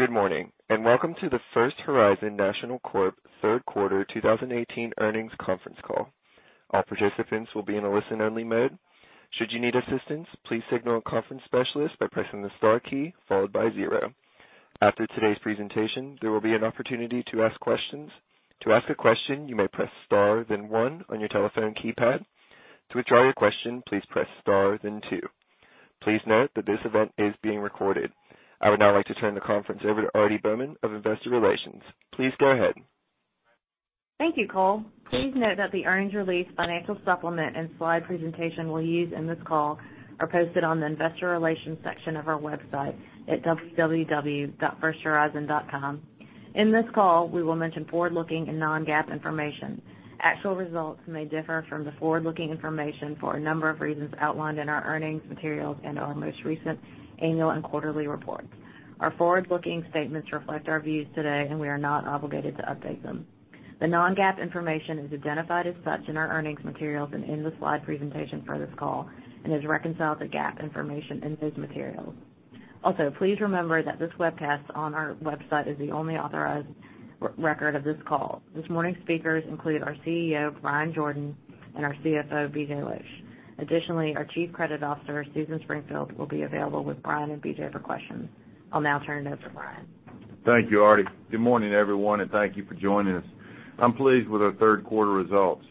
Good morning, and welcome to the First Horizon National Corp third quarter 2018 earnings conference call. All participants will be in a listen-only mode. Should you need assistance, please signal a conference specialist by pressing the star key followed by zero. After today's presentation, there will be an opportunity to ask questions. To ask a question, you may press star then one on your telephone keypad. To withdraw your question, please press star then two. Please note that this event is being recorded. I would now like to turn the conference over to Aarti Bowman of Investor Relations. Please go ahead. Thank you, Cole. Please note that the earnings release financial supplement and slide presentation we'll use in this call are posted on the investor relations section of our website at www.firsthorizon.com. In this call, we will mention forward-looking and non-GAAP information. Actual results may differ from the forward-looking information for a number of reasons outlined in our earnings materials and our most recent annual and quarterly reports. Our forward-looking statements reflect our views today, we are not obligated to update them. The non-GAAP information is identified as such in our earnings materials and in the slide presentation for this call and is reconciled to GAAP information in those materials. Also, please remember that this webcast on our website is the only authorized record of this call. This morning's speakers include our CEO, Bryan Jordan, and our CFO, BJ Losch. Additionally, our Chief Credit Officer, Susan Springfield, will be available with Bryan and BJ for questions. I'll now turn it over to Bryan. Thank you, Arti. Good morning, everyone, thank you for joining us. I'm pleased with our third quarter results.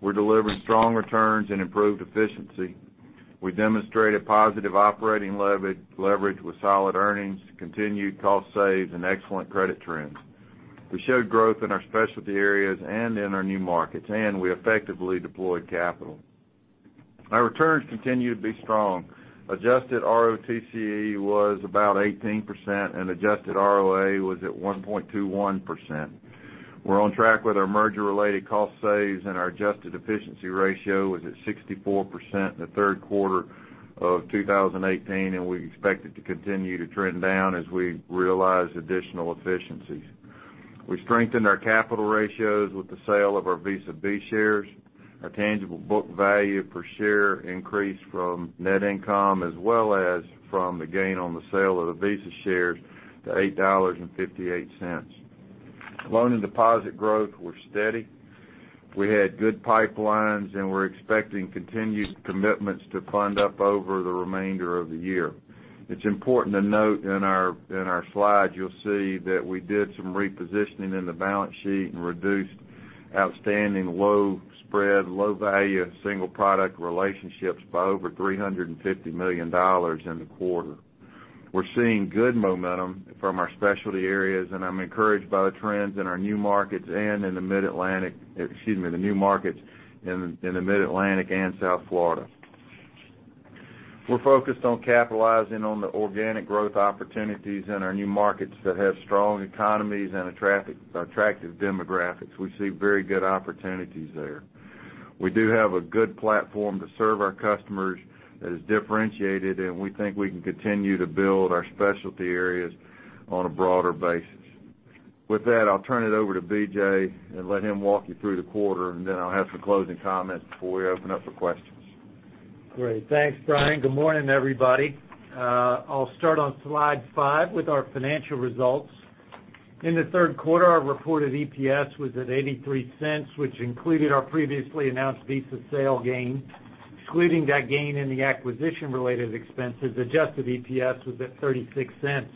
We're delivering strong returns improved efficiency. We demonstrated positive operating leverage with solid earnings, continued cost saves, excellent credit trends. We showed growth in our specialty areas in our new markets, we effectively deployed capital. Our returns continue to be strong. Adjusted ROTCE was about 18%, adjusted ROA was at 1.21%. We're on track with our merger-related cost saves, our adjusted efficiency ratio was at 64% in the third quarter of 2018, we expect it to continue to trend down as we realize additional efficiencies. We strengthened our capital ratios with the sale of our Visa B shares. Our tangible book value per share increased from net income as well as from the gain on the sale of the Visa shares to $8.58. Loan and deposit growth were steady. We had good pipelines, and we're expecting continued commitments to fund up over the remainder of the year. It's important to note in our slides, you'll see that we did some repositioning in the balance sheet and reduced outstanding low spread, low value, single product relationships by over $350 million in the quarter. We're seeing good momentum from our specialty areas, and I'm encouraged by the trends in our new markets and in the Mid-Atlantic, excuse me, the new markets in the Mid-Atlantic and South Florida. We're focused on capitalizing on the organic growth opportunities in our new markets that have strong economies and attractive demographics. We see very good opportunities there. We do have a good platform to serve our customers that is differentiated, and we think we can continue to build our specialty areas on a broader basis. With that, I'll turn it over to BJ and let him walk you through the quarter, then I'll have some closing comments before we open up for questions. Great. Thanks, Bryan. Good morning, everybody. I'll start on slide five with our financial results. In the third quarter, our reported EPS was at $0.83, which included our previously announced Visa sale gain. Excluding that gain and the acquisition-related expenses, adjusted EPS was at $0.36.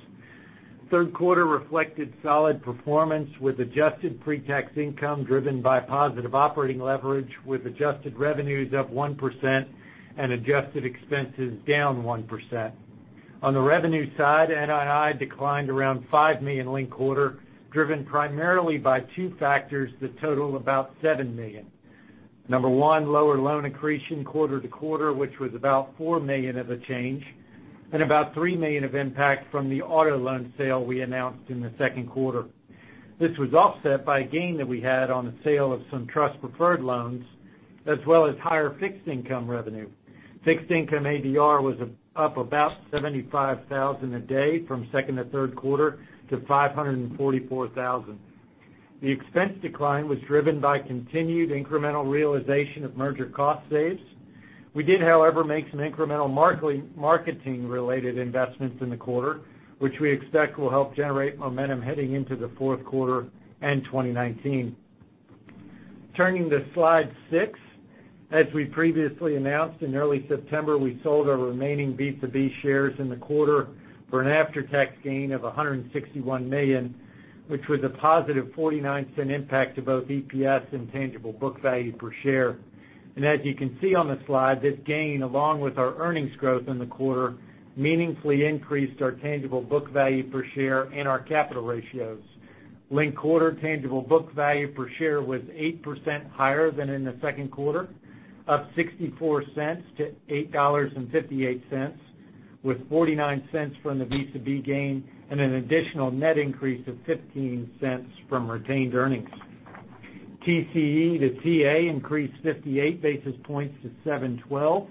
Third quarter reflected solid performance with adjusted pre-tax income driven by positive operating leverage, with adjusted revenues up 1% and adjusted expenses down 1%. On the revenue side, NII declined around $5 million linked quarter, driven primarily by two factors that total about $7 million. Number one, lower loan accretion quarter to quarter, which was about $4 million of a change, and about $3 million of impact from the auto loan sale we announced in the second quarter. This was offset by a gain that we had on the sale of some trust preferred loans, as well as higher fixed income revenue. Fixed income ADR was up about $75,000 a day from second to third quarter to $544,000. The expense decline was driven by continued incremental realization of merger cost saves. We did, however, make some incremental marketing-related investments in the quarter, which we expect will help generate momentum heading into the fourth quarter and 2019. Turning to slide six. As we previously announced, in early September, we sold our remaining Visa B shares in the quarter for an after-tax gain of $161 million, which was a positive $0.49 impact to both EPS and tangible book value per share. As you can see on the slide, this gain, along with our earnings growth in the quarter, meaningfully increased our tangible book value per share and our capital ratios. Linked quarter tangible book value per share was 8% higher than in the second quarter, up $0.64 to $8.58, with $0.49 from the Visa B gain and an additional net increase of $0.15 from retained earnings. TCE to TA increased 58 basis points to 7.12,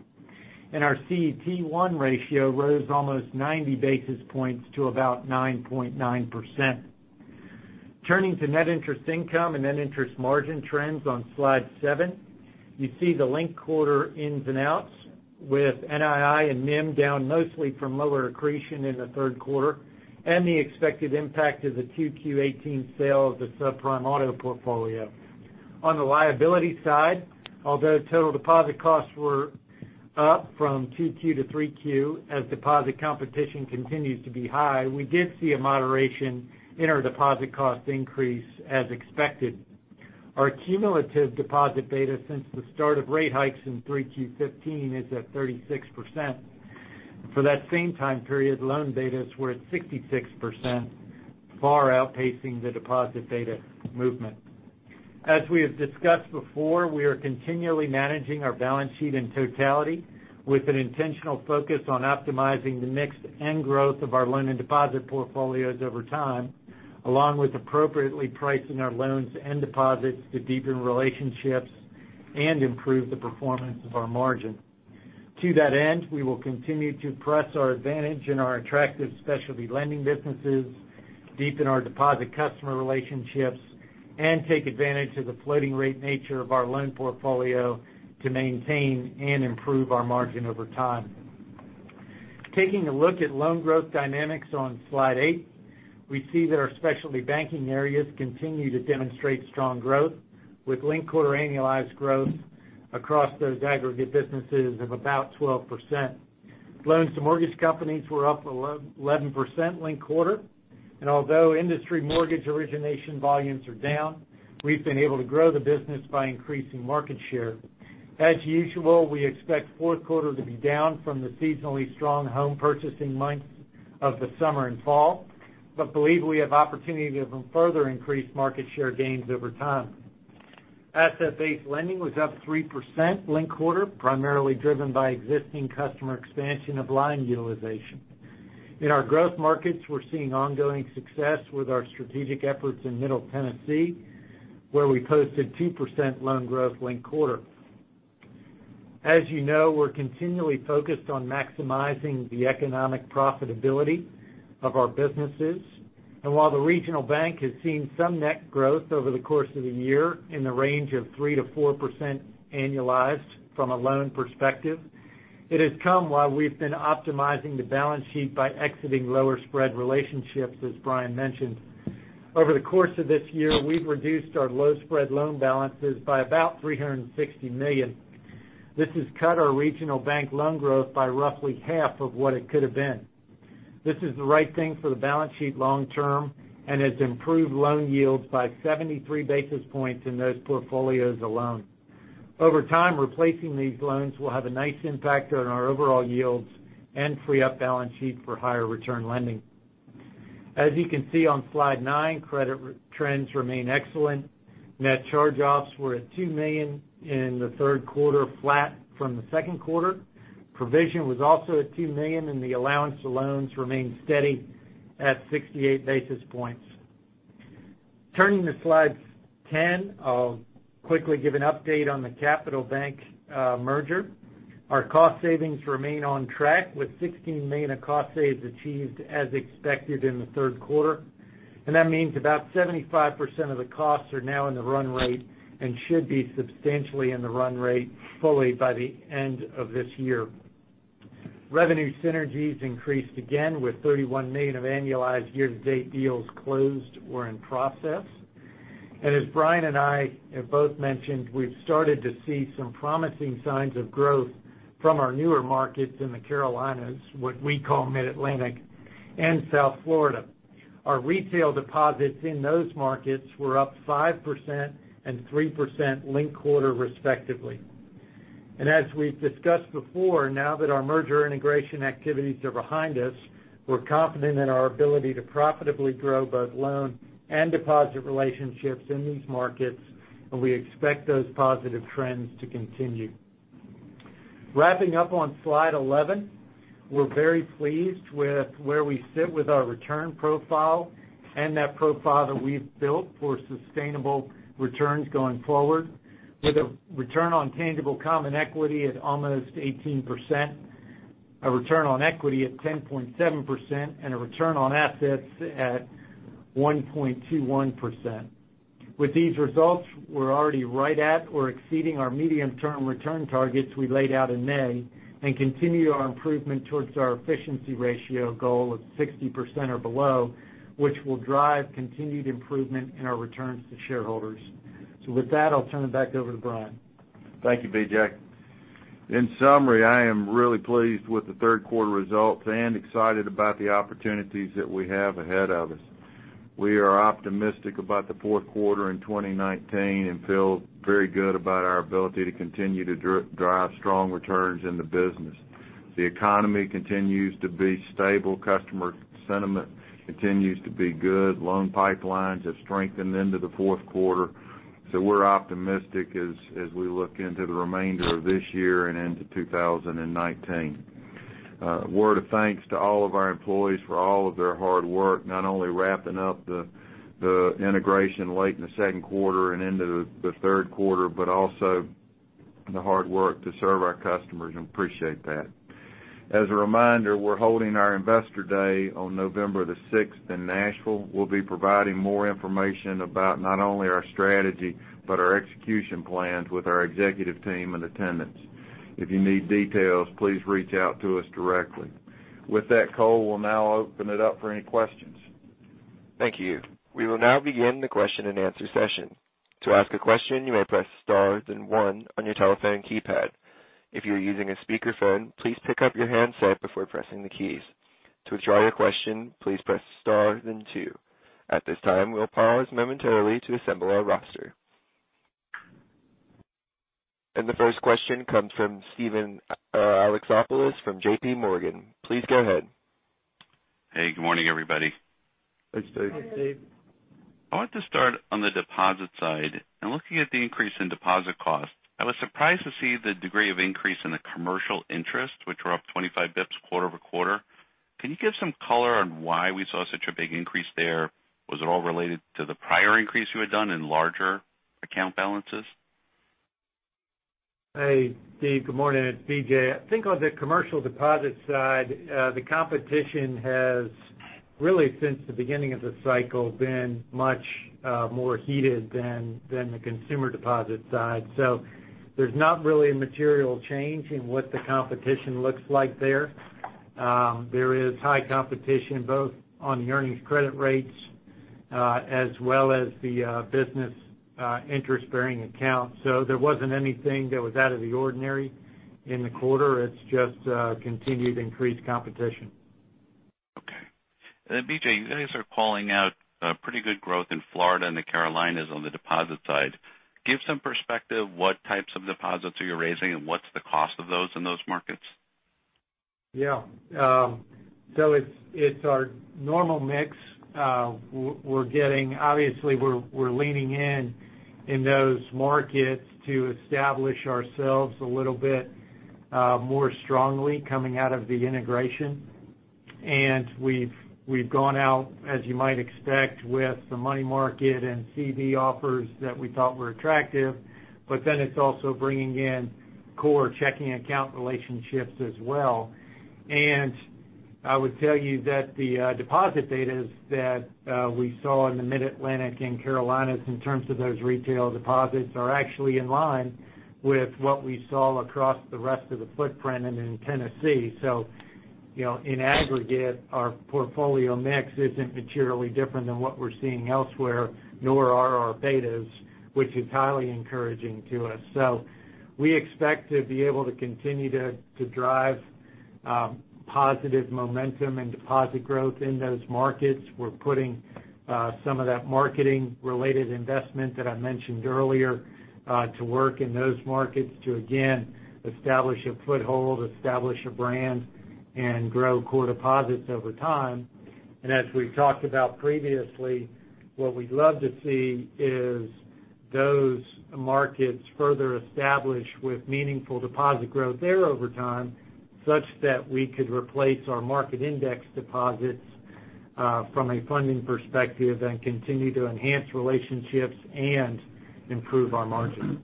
and our CET1 ratio rose almost 90 basis points to about 9.9%. Turning to net interest income and net interest margin trends on slide seven. You see the linked quarter ins and outs with NII and NIM down mostly from lower accretion in the third quarter, and the expected impact of the 2Q18 sale of the subprime auto portfolio. On the liability side, although total deposit costs were up from 2Q to 3Q, as deposit competition continues to be high, we did see a moderation in our deposit cost increase as expected. Our cumulative deposit beta since the start of rate hikes in 3Q 2015 is at 36%. For that same time period, loan betas were at 66%, far outpacing the deposit beta movement. As we have discussed before, we are continually managing our balance sheet in totality with an intentional focus on optimizing the mix and growth of our loan and deposit portfolios over time, along with appropriately pricing our loans and deposits to deepen relationships and improve the performance of our margin. To that end, we will continue to press our advantage in our attractive specialty lending businesses, deepen our deposit customer relationships, and take advantage of the floating rate nature of our loan portfolio to maintain and improve our margin over time. Taking a look at loan growth dynamics on slide eight, we see that our specialty banking areas continue to demonstrate strong growth with linked quarter annualized growth across those aggregate businesses of about 12%. Loans to mortgage companies were up 11% linked quarter. Although industry mortgage origination volumes are down, we've been able to grow the business by increasing market share. As usual, we expect fourth quarter to be down from the seasonally strong home purchasing months of the summer and fall, but believe we have opportunity to further increase market share gains over time. Asset-based lending was up 3% linked quarter, primarily driven by existing customer expansion of line utilization. In our growth markets, we're seeing ongoing success with our strategic efforts in Middle Tennessee, where we posted 2% loan growth linked quarter. As you know, we're continually focused on maximizing the economic profitability of our businesses. While the regional bank has seen some net growth over the course of the year in the range of 3%-4% annualized from a loan perspective, it has come while we've been optimizing the balance sheet by exiting lower spread relationships, as Bryan mentioned. Over the course of this year, we've reduced our low spread loan balances by about $360 million. This has cut our regional bank loan growth by roughly half of what it could have been. This is the right thing for the balance sheet long term and has improved loan yields by 73 basis points in those portfolios alone. Over time, replacing these loans will have a nice impact on our overall yields and free up balance sheet for higher return lending. As you can see on slide nine, credit trends remain excellent. Net charge-offs were at $2 million in the third quarter, flat from the second quarter. Provision was also at $2 million, and the allowance to loans remained steady at 68 basis points. Turning to slides 10, I'll quickly give an update on the Capital Bank merger. Our cost savings remain on track with $16 million of cost saves achieved as expected in the third quarter. That means about 75% of the costs are now in the run rate and should be substantially in the run rate fully by the end of this year. Revenue synergies increased again with $31 million of annualized year-to-date deals closed or in process. As Bryan and I have both mentioned, we've started to see some promising signs of growth from our newer markets in the Carolinas, what we call Mid-Atlantic, and South Florida. Our retail deposits in those markets were up 5% and 3% linked quarter respectively. As we've discussed before, now that our merger integration activities are behind us, we're confident in our ability to profitably grow both loan and deposit relationships in these markets, and we expect those positive trends to continue. Wrapping up on slide 11, we're very pleased with where we sit with our return profile and that profile that we've built for sustainable returns going forward. With a return on tangible common equity at almost 18%, a return on equity at 10.7%, and a return on assets at 1.21%. With these results, we're already right at or exceeding our medium-term return targets we laid out in May and continue our improvement towards our efficiency ratio goal of 60% or below, which will drive continued improvement in our returns to shareholders. With that, I'll turn it back over to Bryan. Thank you, BJ. In summary, I am really pleased with the third quarter results and excited about the opportunities that we have ahead of us. We are optimistic about the fourth quarter in 2019 and feel very good about our ability to continue to drive strong returns in the business. The economy continues to be stable. Customer sentiment continues to be good. Loan pipelines have strengthened into the fourth quarter. We're optimistic as we look into the remainder of this year and into 2019. A word of thanks to all of our employees for all of their hard work, not only wrapping up the integration late in the second quarter and into the third quarter, but also the hard work to serve our customers and appreciate that. As a reminder, we're holding our Investor Day on November 6th in Nashville. We'll be providing more information about not only our strategy, but our execution plans with our executive team in attendance. If you need details, please reach out to us directly. With that, Cole, we'll now open it up for any questions. Thank you. We will now begin the question-and-answer session. To ask a question, you may press star then one on your telephone keypad. If you are using a speakerphone, please pick up your handset before pressing the keys. To withdraw your question, please press star then two. At this time, we'll pause momentarily to assemble our roster. The first question comes from Steven Alexopoulos from JPMorgan. Please go ahead. Hey, good morning, everybody. Hey, Steve. Hi, Steve. I want to start on the deposit side. In looking at the increase in deposit costs, I was surprised to see the degree of increase in the commercial interest, which were up 25 basis points quarter-over-quarter. Can you give some color on why we saw such a big increase there? Was it all related to the prior increase you had done in larger account balances? Hey, Steve. Good morning. It's BJ. I think on the commercial deposit side, the competition has, really since the beginning of the cycle, been much more heated than the consumer deposit side. There's not really a material change in what the competition looks like there. There is high competition both on the earnings credit rates, as well as the business interest-bearing accounts. There wasn't anything that was out of the ordinary in the quarter. It's just continued increased competition. Okay. BJ, you guys are calling out pretty good growth in Florida and the Carolinas on the deposit side. Give some perspective what types of deposits are you raising and what's the cost of those in those markets? Yeah. It's our normal mix. Obviously, we're leaning in in those markets to establish ourselves a little bit, more strongly coming out of the integration. We've gone out, as you might expect, with some money market and CD offers that we thought were attractive, it's also bringing in core checking account relationships as well. I would tell you that the deposit data that we saw in the Mid-Atlantic and Carolinas in terms of those retail deposits are actually in line with what we saw across the rest of the footprint and in Tennessee. In aggregate, our portfolio mix isn't materially different than what we're seeing elsewhere, nor are our betas, which is highly encouraging to us. We expect to be able to continue to drive positive momentum and deposit growth in those markets. We're putting some of that marketing related investment that I mentioned earlier to work in those markets to again, establish a foothold, establish a brand, and grow core deposits over time. As we've talked about previously, what we'd love to see is those markets further established with meaningful deposit growth there over time, such that we could replace our market index deposits, from a funding perspective and continue to enhance relationships and improve our margin.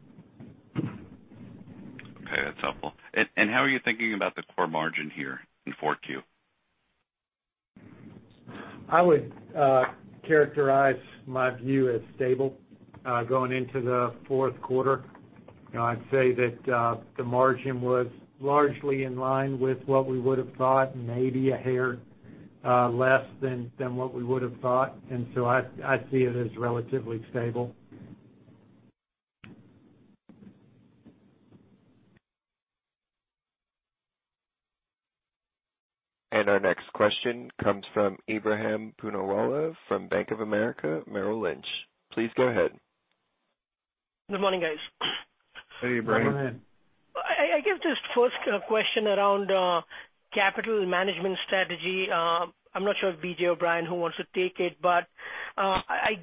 Okay, that's helpful. How are you thinking about the core margin here in Q4? I would characterize my view as stable, going into the fourth quarter. I'd say that the margin was largely in line with what we would have thought, maybe a hair less than what we would have thought. I see it as relatively stable. Our next question comes from Ebrahim Poonawala from Bank of America Merrill Lynch. Please go ahead. Good morning, guys. Hey, Ebrahim. Go ahead. I give this first question around capital management strategy. I'm not sure if B.J. or Bryan, who wants to take it, but I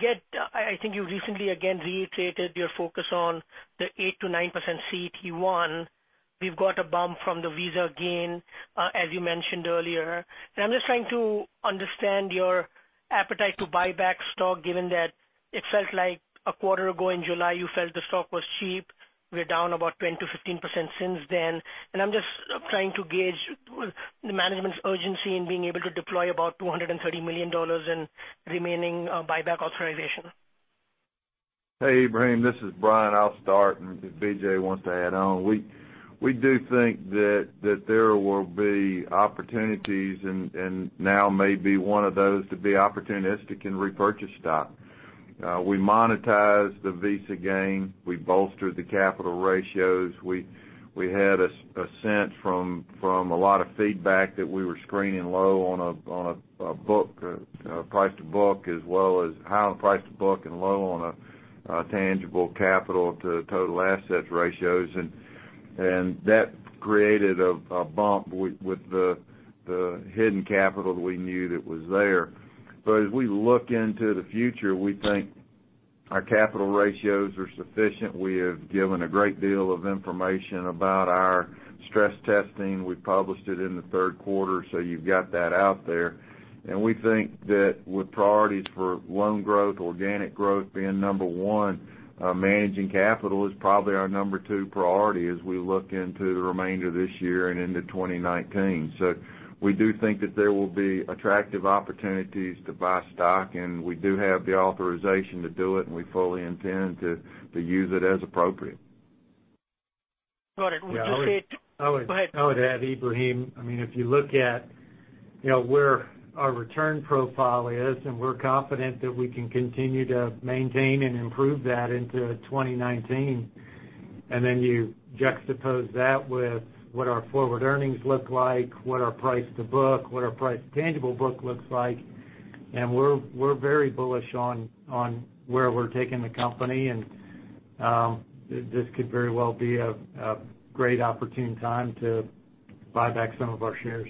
think you recently again reiterated your focus on the 8%-9% CET1. We've got a bump from the Visa gain, as you mentioned earlier. I'm just trying to understand your appetite to buy back stock, given that it felt like a quarter ago in July, you felt the stock was cheap. We're down about 10%-15% since then, and I'm just trying to gauge the management's urgency in being able to deploy about $230 million in remaining buyback authorization. Hey, Ebrahim, this is Bryan. I'll start, and if B.J. wants to add on. We do think that there will be opportunities, and now may be one of those to be opportunistic and repurchase stock. We monetized the Visa gain. We bolstered the capital ratios. We had a sense from a lot of feedback that we were screening low on a price to book as well as high on price to book and low on a tangible capital to total assets ratios. That created a bump with the hidden capital that we knew that was there. As we look into the future, we think our capital ratios are sufficient. We have given a great deal of information about our stress testing. We published it in the third quarter, so you've got that out there. We think that with priorities for loan growth, organic growth being number 1, managing capital is probably our number 2 priority as we look into the remainder of this year and into 2019. We do think that there will be attractive opportunities to buy stock, and we do have the authorization to do it, and we fully intend to use it as appropriate. Got it. Would you say? Yeah. Go ahead. I would add, Ebrahim, if you look at where our return profile is, we're confident that we can continue to maintain and improve that into 2019, then you juxtapose that with what our forward earnings look like, what our price to book, what our price to tangible book looks like, we're very bullish on where we're taking the company. This could very well be a great opportune time to buy back some of our shares.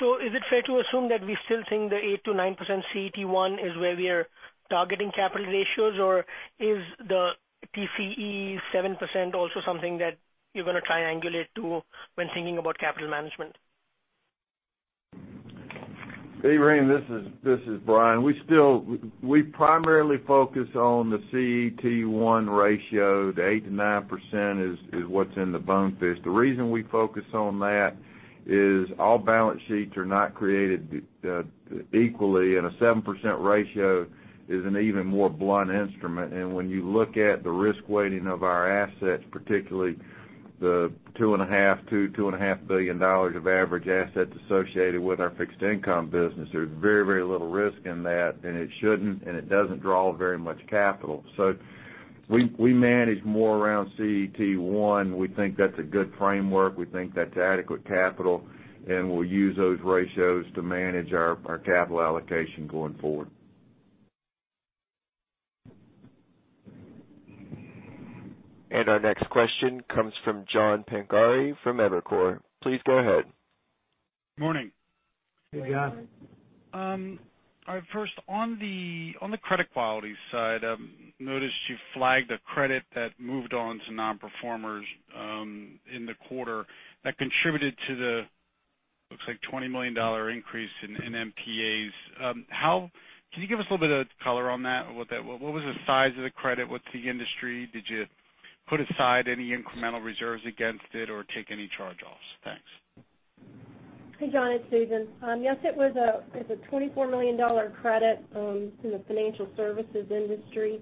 Is it fair to assume that we still think the 8%-9% CET1 is where we are targeting capital ratios? Is the TCE 7% also something that you're going to triangulate to when thinking about capital management? Ebrahim, this is Bryan. We primarily focus on the CET1 ratio. The 8%-9% is what's in the BONF pitch. The reason we focus on that is all balance sheets are not created equally, a 7% ratio is an even more blunt instrument. When you look at the risk weighting of our assets, particularly the $2.5 billion of average assets associated with our fixed income business, there's very little risk in that, and it shouldn't, and it doesn't draw very much capital. We manage more around CET1. We think that's a good framework. We think that's adequate capital, and we'll use those ratios to manage our capital allocation going forward. Our next question comes from John Pancari from Evercore. Please go ahead. Morning. Hey, John. First, on the credit quality side, noticed you flagged a credit that moved on to non-performers in the quarter that contributed to the, looks like $20 million increase in NPAs. Can you give us a little bit of color on that? What was the size of the credit? What's the industry? Did you put aside any incremental reserves against it or take any charge-offs? Thanks. Hey, John, it's Susan. Yes, it was a $24 million credit in the financial services industry.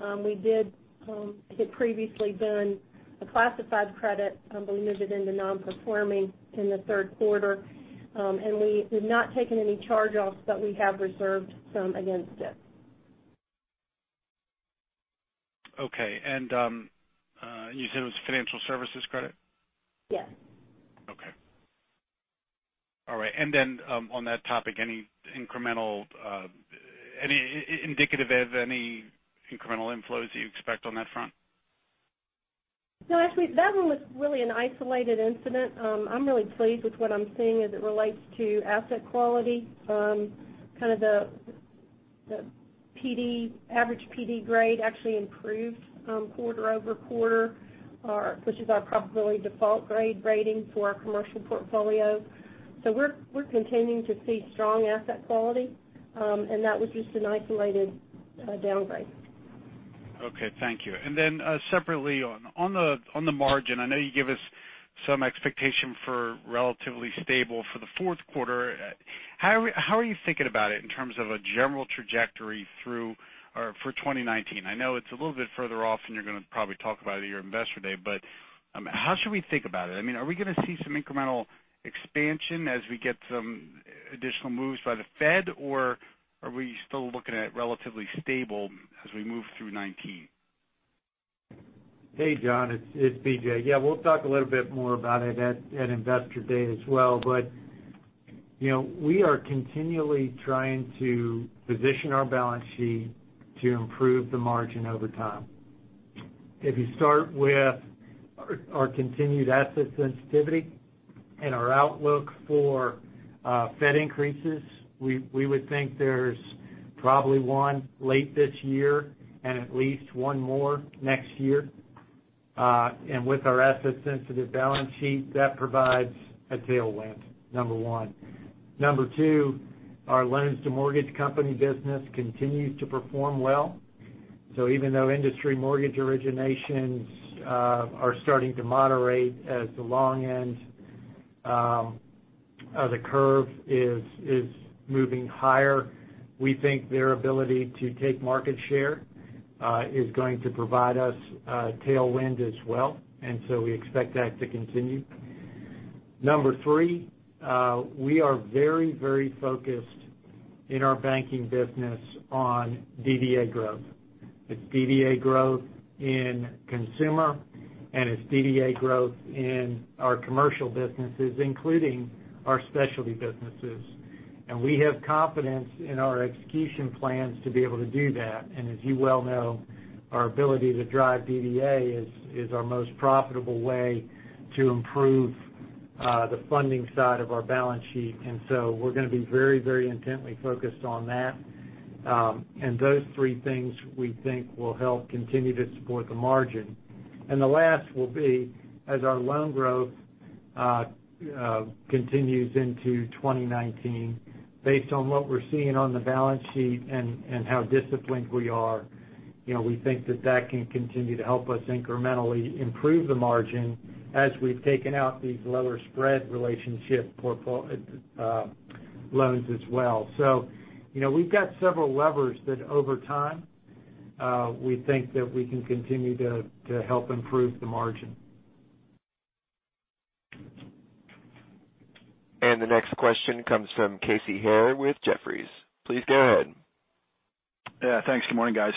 It had previously been a classified credit, but it moved into non-performing in the third quarter. We've not taken any charge-offs, but we have reserved some against it. Okay. You said it was a financial services credit? Yes. Okay. All right. On that topic, any indicative of any incremental inflows you expect on that front? No, actually, that one was really an isolated incident. I'm really pleased with what I'm seeing as it relates to asset quality. The average PD grade actually improved quarter-over-quarter, which is our probability default grade rating for our commercial portfolio. We're continuing to see strong asset quality, and that was just an isolated downgrade. Okay, thank you. Separately, on the margin, I know you gave us some expectation for relatively stable for the fourth quarter. How are you thinking about it in terms of a general trajectory for 2019? I know it is a little bit further off than you are going to probably talk about at your Investor Day, how should we think about it? Are we going to see some incremental expansion as we get some additional moves by the Fed? Are we still looking at relatively stable as we move through 2019? Hey, John, it's BJ. We will talk a little bit more about it at Investor Day as well, we are continually trying to position our balance sheet to improve the margin over time. If you start with our continued asset sensitivity and our outlook for Fed increases, we would think there is probably one late this year and at least one more next year. With our asset-sensitive balance sheet, that provides a tailwind, number one. Number two, our loans to mortgage company business continues to perform well. Even though industry mortgage originations are starting to moderate as the long end of the curve is moving higher, we think their ability to take market share is going to provide us a tailwind as well. We expect that to continue. Number three, we are very focused in our banking business on DDA growth. It's DDA growth in consumer, and it's DDA growth in our commercial businesses, including our specialty businesses. We have confidence in our execution plans to be able to do that. As you well know, our ability to drive DDA is our most profitable way to improve the funding side of our balance sheet. We are going to be very intently focused on that. Those three things we think will help continue to support the margin. The last will be as our loan growth continues into 2019, based on what we are seeing on the balance sheet and how disciplined we are, we think that that can continue to help us incrementally improve the margin as we have taken out these lower spread relationship loans as well. We have got several levers that over time, we think that we can continue to help improve the margin. The next question comes from Casey Haire with Jefferies. Please go ahead. Yeah. Thanks. Good morning, guys.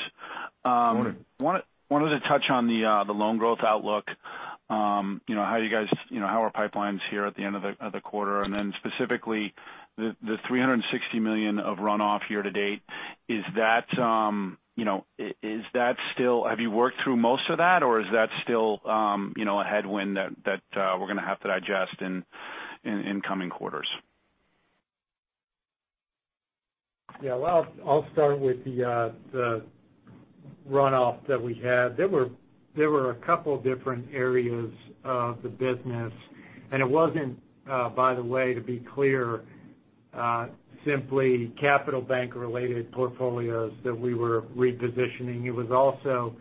Morning. Wanted to touch on the loan growth outlook. How are pipelines here at the end of the quarter? Specifically, the $360 million of runoff year to date, have you worked through most of that, or is that still a headwind that we're going to have to digest in incoming quarters? Yeah. Well, I'll start with the runoff that we had. There were a couple of different areas of the business. It wasn't, by the way, to be clear simply Capital Bank-related portfolios that we were repositioning. It was also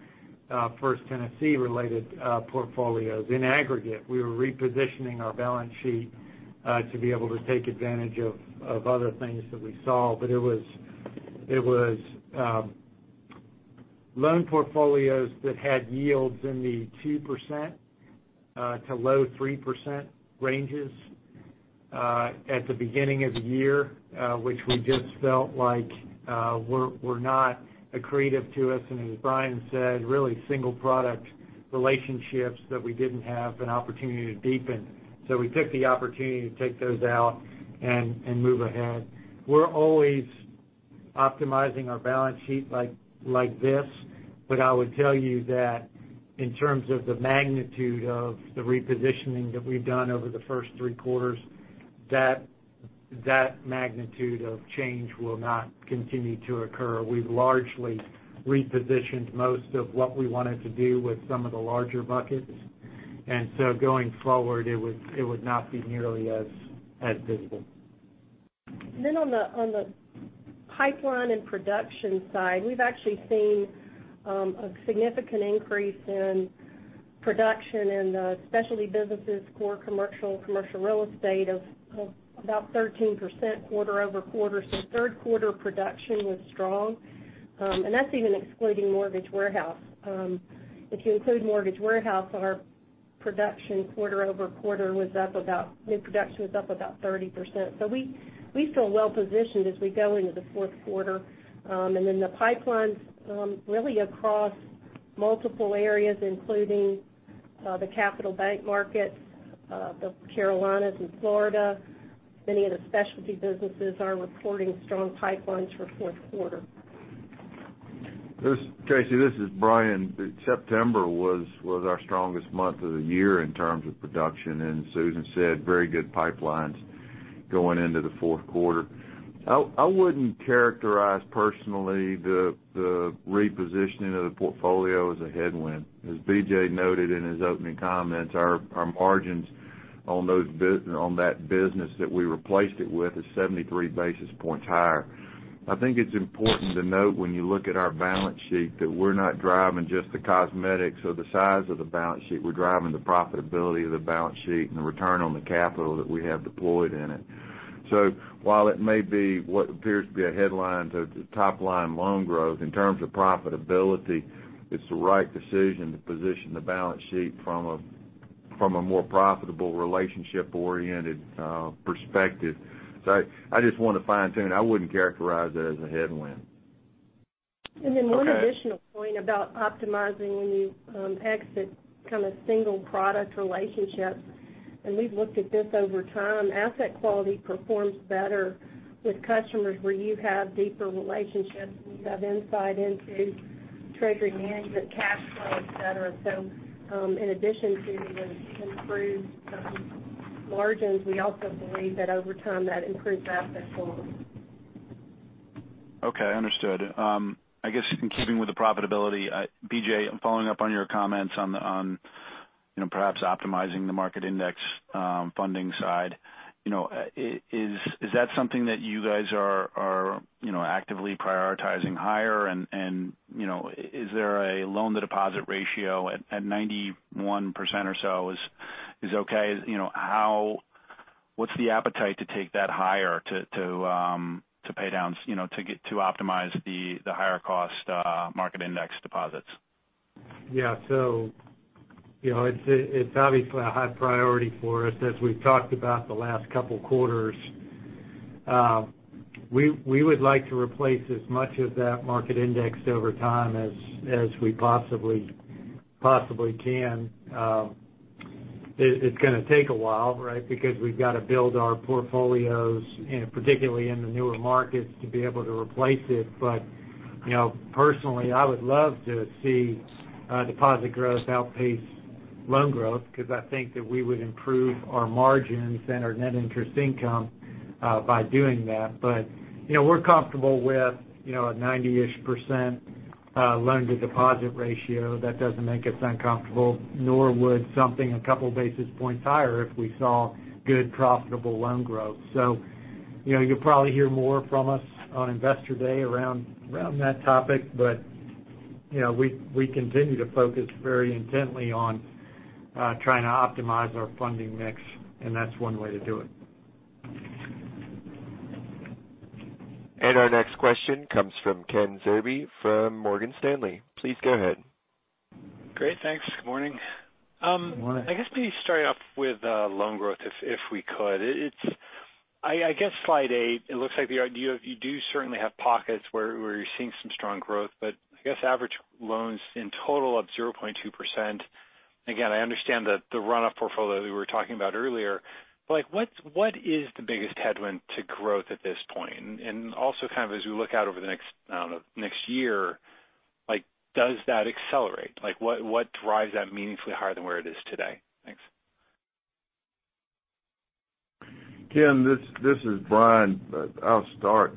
First Tennessee-related portfolios. In aggregate, we were repositioning our balance sheet to be able to take advantage of other things that we saw. It was loan portfolios that had yields in the 2% to low 3% ranges at the beginning of the year, which we just felt like were not accretive to us. As Bryan said, really single product relationships that we didn't have an opportunity to deepen. We took the opportunity to take those out and move ahead. We're always optimizing our balance sheet like this. I would tell you that in terms of the magnitude of the repositioning that we've done over the first three quarters, that magnitude of change will not continue to occur. We've largely repositioned most of what we wanted to do with some of the larger buckets. Going forward, it would not be nearly as visible. On the pipeline and production side, we've actually seen a significant increase in production in the specialty businesses core commercial real estate of about 13% quarter-over-quarter. Third quarter production was strong. That's even excluding Mortgage Warehouse. If you include Mortgage Warehouse, our production quarter-over-quarter was up about 30%. We feel well positioned as we go into the fourth quarter. The pipelines really across multiple areas, including the Capital Bank markets, the Carolinas and Florida. Many of the specialty businesses are reporting strong pipelines for fourth quarter. Casey, this is Bryan. September was our strongest month of the year in terms of production. Susan said, very good pipelines going into the fourth quarter. I wouldn't characterize personally the repositioning of the portfolio as a headwind. As BJ noted in his opening comments, our margins on that business that we replaced it with is 73 basis points higher. I think it's important to note when you look at our balance sheet, that we're not driving just the cosmetics or the size of the balance sheet. We're driving the profitability of the balance sheet and the return on the capital that we have deployed in it. While it may be what appears to be a headline to top line loan growth, in terms of profitability, it's the right decision to position the balance sheet from a more profitable relationship-oriented perspective. I just want to fine-tune. I wouldn't characterize it as a headwind. One additional point about optimizing when you exit kind of single product relationships, and we've looked at this over time. Asset quality performs better with customers where you have deeper relationships, and you have insight into treasury management, cash flow, et cetera. In addition to the improved margins, we also believe that over time, that improves asset quality. Okay. Understood. I guess in keeping with the profitability, BJ, I am following up on your comments on perhaps optimizing the market index funding side. Is that something that you guys are actively prioritizing higher? Is there a loan-to-deposit ratio at 91% or so is okay? What's the appetite to take that higher to pay down to optimize the higher cost market index deposits? Yeah. It's obviously a high priority for us. As we've talked about the last couple quarters, we would like to replace as much of that market index over time as we possibly can. It's going to take a while, right? Because we've got to build our portfolios, and particularly in the newer markets, to be able to replace it. Personally, I would love to see deposit growth outpace loan growth, because I think that we would improve our margins and our net interest income by doing that. We're comfortable with a 90-ish % loan-to-deposit ratio. That doesn't make us uncomfortable, nor would something a couple basis points higher if we saw good profitable loan growth. You'll probably hear more from us on Investor Day around that topic. We continue to focus very intently on trying to optimize our funding mix, and that's one way to do it. Our next question comes from Ken Zerbe from Morgan Stanley. Please go ahead. Great. Thanks. Good morning. Good morning. I guess maybe start off with loan growth, if we could. I guess slide eight, it looks like you do certainly have pockets where you're seeing some strong growth, but I guess average loans in total up 0.2%. Again, I understand the run-up portfolio that we were talking about earlier, but what is the biggest headwind to growth at this point? Also as we look out over the next year, does that accelerate? What drives that meaningfully higher than where it is today? Thanks. Ken, this is Bryan. I'll start.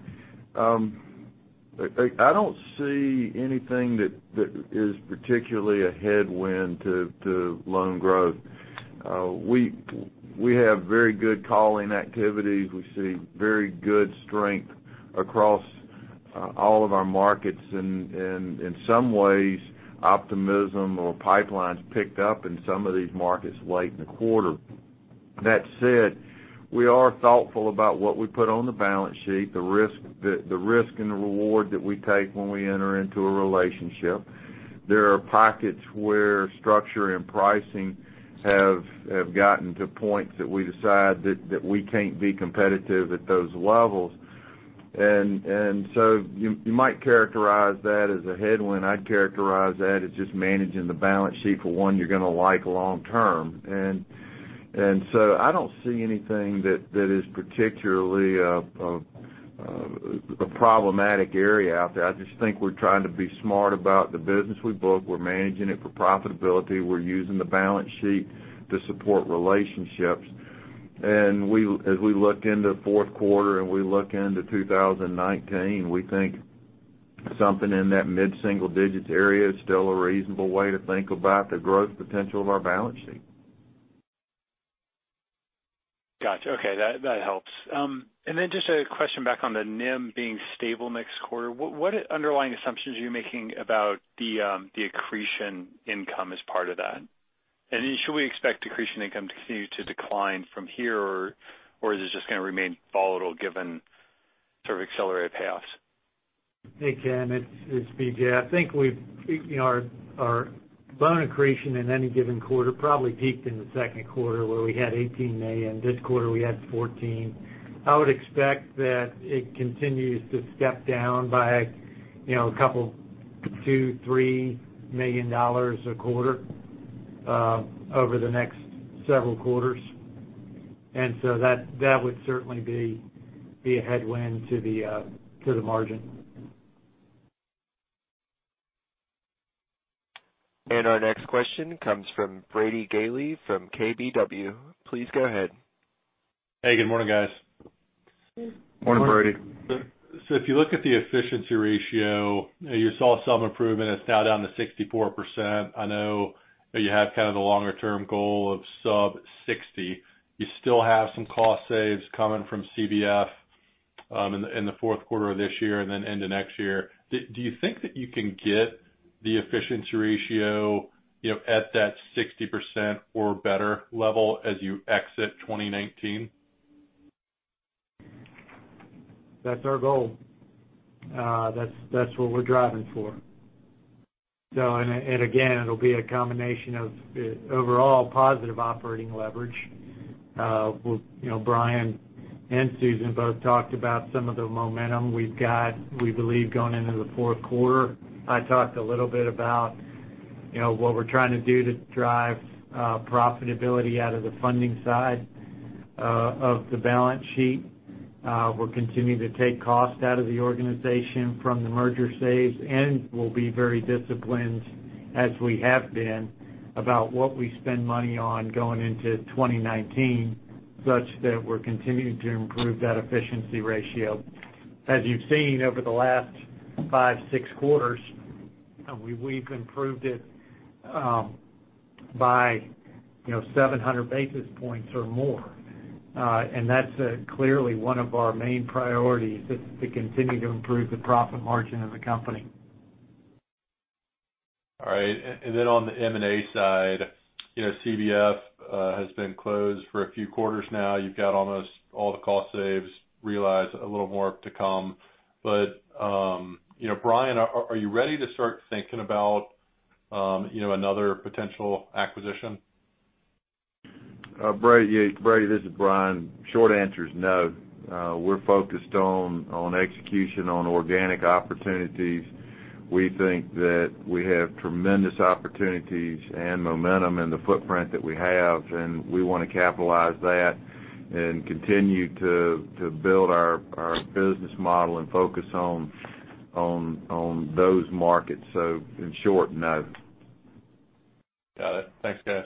I don't see anything that is particularly a headwind to loan growth. We have very good calling activities. We see very good strength across all of our markets, and in some ways, optimism or pipelines picked up in some of these markets late in the quarter. That said, we are thoughtful about what we put on the balance sheet, the risk and the reward that we take when we enter into a relationship. There are pockets where structure and pricing have gotten to points that we decide that we can't be competitive at those levels. So you might characterize that as a headwind. I'd characterize that as just managing the balance sheet for one you're going to like long term. So I don't see anything that is particularly a problematic area out there. I just think we're trying to be smart about the business we book. We're managing it for profitability. We're using the balance sheet to support relationships. As we look into the fourth quarter and we look into 2019, we think something in that mid-single digits area is still a reasonable way to think about the growth potential of our balance sheet. Got you. Okay. That helps. Then just a question back on the NIM being stable next quarter. What underlying assumptions are you making about the accretion income as part of that? Should we expect accretion income to continue to decline from here, or is this just going to remain volatile given sort of accelerated payoffs? Hey, Ken, it's BJ. I think our loan accretion in any given quarter probably peaked in the second quarter, where we had $18 million. This quarter, we had $14 million. I would expect that it continues to step down by a couple two, $3 million a quarter over the next several quarters. So that would certainly be a headwind to the margin. Our next question comes from Brady Gailey from KBW. Please go ahead. Hey, good morning, guys. Morning, Brady. If you look at the efficiency ratio, you saw some improvement. It's now down to 64%. I know that you have kind of the longer-term goal of sub-60. You still have some cost saves coming from CBF in the fourth quarter of this year and then into next year. Do you think that you can get the efficiency ratio at that 60% or better level as you exit 2019? That's our goal. That's what we're driving for. Again, it'll be a combination of overall positive operating leverage. Bryan and Susan both talked about some of the momentum we've got, we believe, going into the fourth quarter. I talked a little bit about what we're trying to do to drive profitability out of the funding side of the balance sheet. We're continuing to take cost out of the organization from the merger saves, and we'll be very disciplined, as we have been, about what we spend money on going into 2019, such that we're continuing to improve that efficiency ratio. As you've seen over the last five, six quarters, we've improved it by 700 basis points or more. That's clearly one of our main priorities, is to continue to improve the profit margin of the company. Then on the M&A side, CBF has been closed for a few quarters now. You've got almost all the cost saves realized, a little more to come. Bryan, are you ready to start thinking about another potential acquisition? Brady, this is Bryan. Short answer is no. We're focused on execution on organic opportunities. We think that we have tremendous opportunities and momentum in the footprint that we have, and we want to capitalize that and continue to build our business model and focus on those markets. In short, no. Got it. Thanks, guys.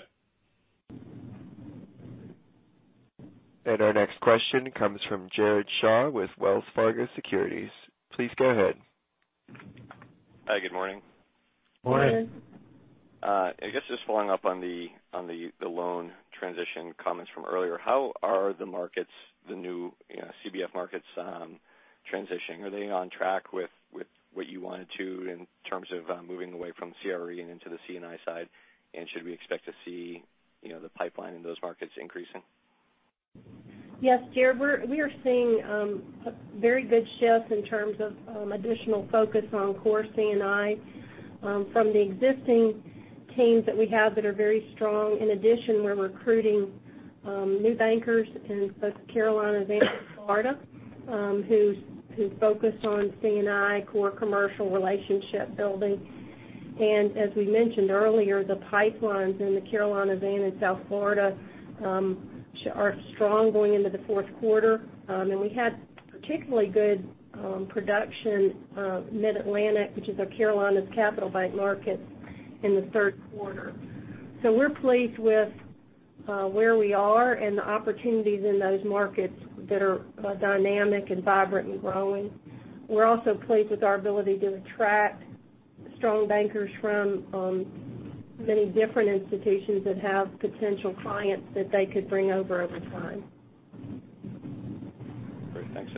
Our next question comes from Jared Shaw with Wells Fargo Securities. Please go ahead. Hi, good morning. Morning. Morning. I guess just following up on the loan transition comments from earlier, how are the markets, the new CBF markets transitioning? Are they on track with what you wanted to in terms of moving away from CRE and into the C&I side? Should we expect to see the pipeline in those markets increasing? Yes, Jared. We are seeing a very good shift in terms of additional focus on core C&I from the existing teams that we have that are very strong. In addition, we're recruiting new bankers in both Carolinas and South Florida who focus on C&I core commercial relationship building. As we mentioned earlier, the pipelines in the Carolinas and in South Florida are strong going into the fourth quarter. We had particularly good production Mid-Atlantic, which is our Carolinas Capital Bank market, in the third quarter. We're pleased with where we are and the opportunities in those markets that are dynamic and vibrant and growing. We're also pleased with our ability to attract strong bankers from many different institutions that have potential clients that they could bring over time. Great, thanks.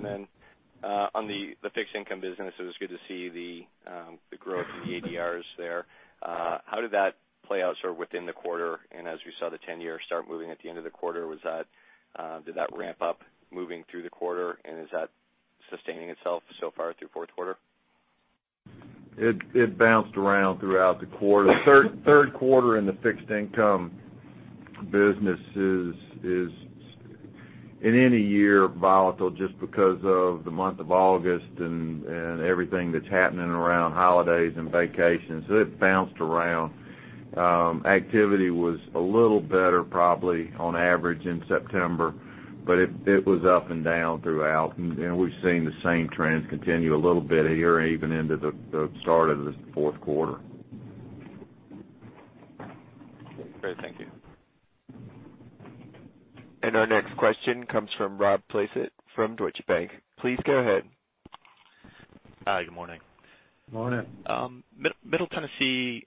On the fixed income business, it was good to see the growth in the ADRs there. How did that play out sort of within the quarter? As you saw the 10-year start moving at the end of the quarter, did that ramp up moving through the quarter, and is that sustaining itself so far through fourth quarter? It bounced around throughout the quarter. Third quarter in the fixed income business is in any year volatile just because of the month of August and everything that's happening around holidays and vacations. It bounced around. Activity was a little better probably on average in September, but it was up and down throughout, and we've seen the same trends continue a little bit here even into the start of the fourth quarter. Great. Thank you. Our next question comes from Rob Placet from Deutsche Bank. Please go ahead. Hi, good morning. Morning. Middle Tennessee,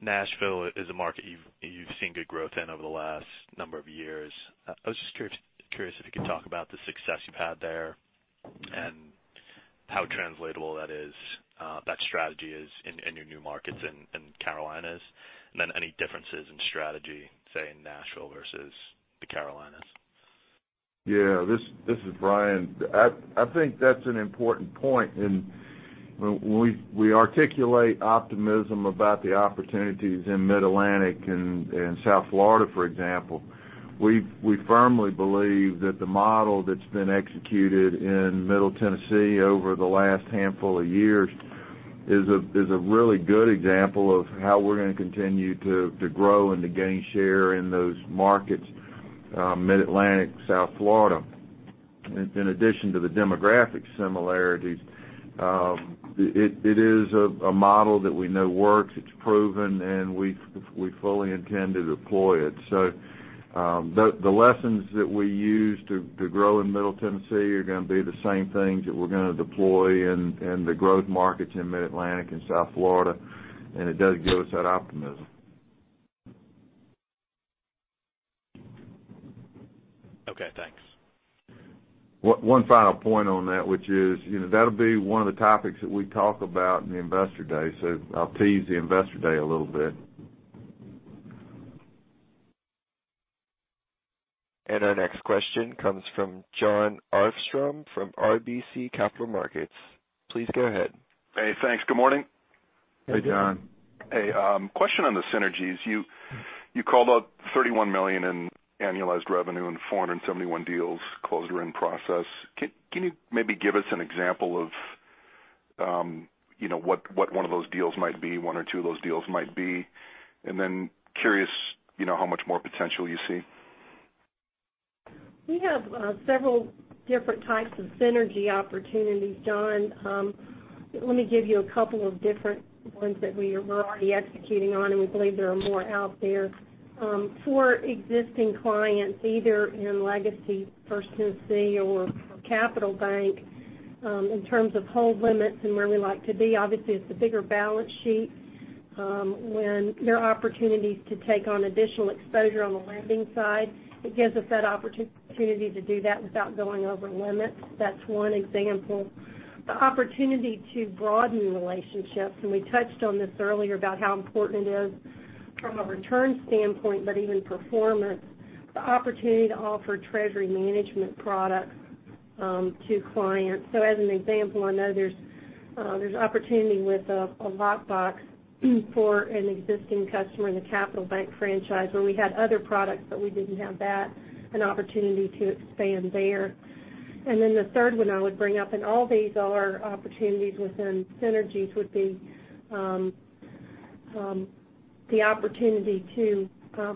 Nashville is a market you've seen good growth in over the last number of years. I was just curious if you could talk about the success you've had there and how translatable that strategy is in your new markets in Carolinas. Any differences in strategy, say, in Nashville versus the Carolinas. Yeah, this is Bryan. I think that's an important point. When we articulate optimism about the opportunities in Mid-Atlantic and South Florida, for example, we firmly believe that the model that's been executed in Middle Tennessee over the last handful of years is a really good example of how we're going to continue to grow and to gain share in those markets, Mid-Atlantic, South Florida. In addition to the demographic similarities, it is a model that we know works, it's proven, and we fully intend to deploy it. The lessons that we use to grow in Middle Tennessee are going to be the same things that we're going to deploy in the growth markets in Mid-Atlantic and South Florida. It does give us that optimism. Okay, thanks. One final point on that, which is, that'll be one of the topics that we talk about in the Investor Day. I'll tease the Investor Day a little bit. Our next question comes from Jon Arfstrom from RBC Capital Markets. Please go ahead. Hey, thanks. Good morning. Hey, Jon. Hey, question on the synergies. You called out $31 million in annualized revenue and 471 deals closed or in process. Can you maybe give us an example of what one of those deals might be, one or two of those deals might be? Then curious how much more potential you see. We have several different types of synergy opportunities, Jon. Let me give you a couple of different ones that we're already executing on. We believe there are more out there. For existing clients, either in legacy First Tennessee or for Capital Bank, in terms of hold limits and where we like to be, obviously it's the bigger balance sheet. When there are opportunities to take on additional exposure on the lending side, it gives us that opportunity to do that without going over limits. That's one example. The opportunity to broaden relationships. We touched on this earlier about how important it is from a return standpoint, but even performance. The opportunity to offer treasury management products to clients. As an example, I know there's opportunity with a lockbox for an existing customer in the Capital Bank franchise where we had other products but we didn't have that, an opportunity to expand there. The third one I would bring up, all these are opportunities within synergies, would be the opportunity to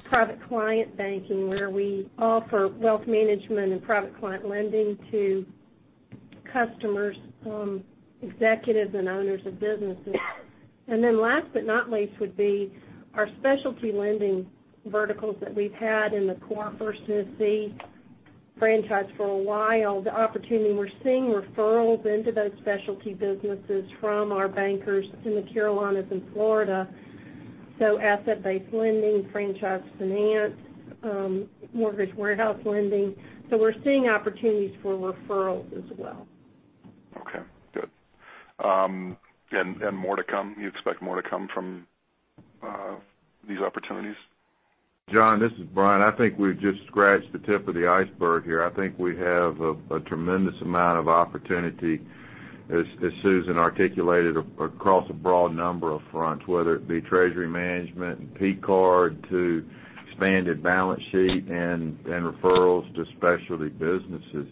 private client banking, where we offer wealth management and private client lending to customers, executives, and owners of businesses. Last but not least, would be our specialty lending verticals that we've had in the Core First Tennessee franchise for a while. The opportunity, we're seeing referrals into those specialty businesses from our bankers in the Carolinas and Florida. Asset-based lending, franchise finance, Mortgage Warehouse Lending. We're seeing opportunities for referrals as well. Okay, good. More to come? You expect more to come from these opportunities? Jon, this is Bryan. I think we've just scratched the tip of the iceberg here. I think we have a tremendous amount of opportunity, as Susan articulated, across a broad number of fronts, whether it be treasury management and P-card to expanded balance sheet and referrals to specialty businesses.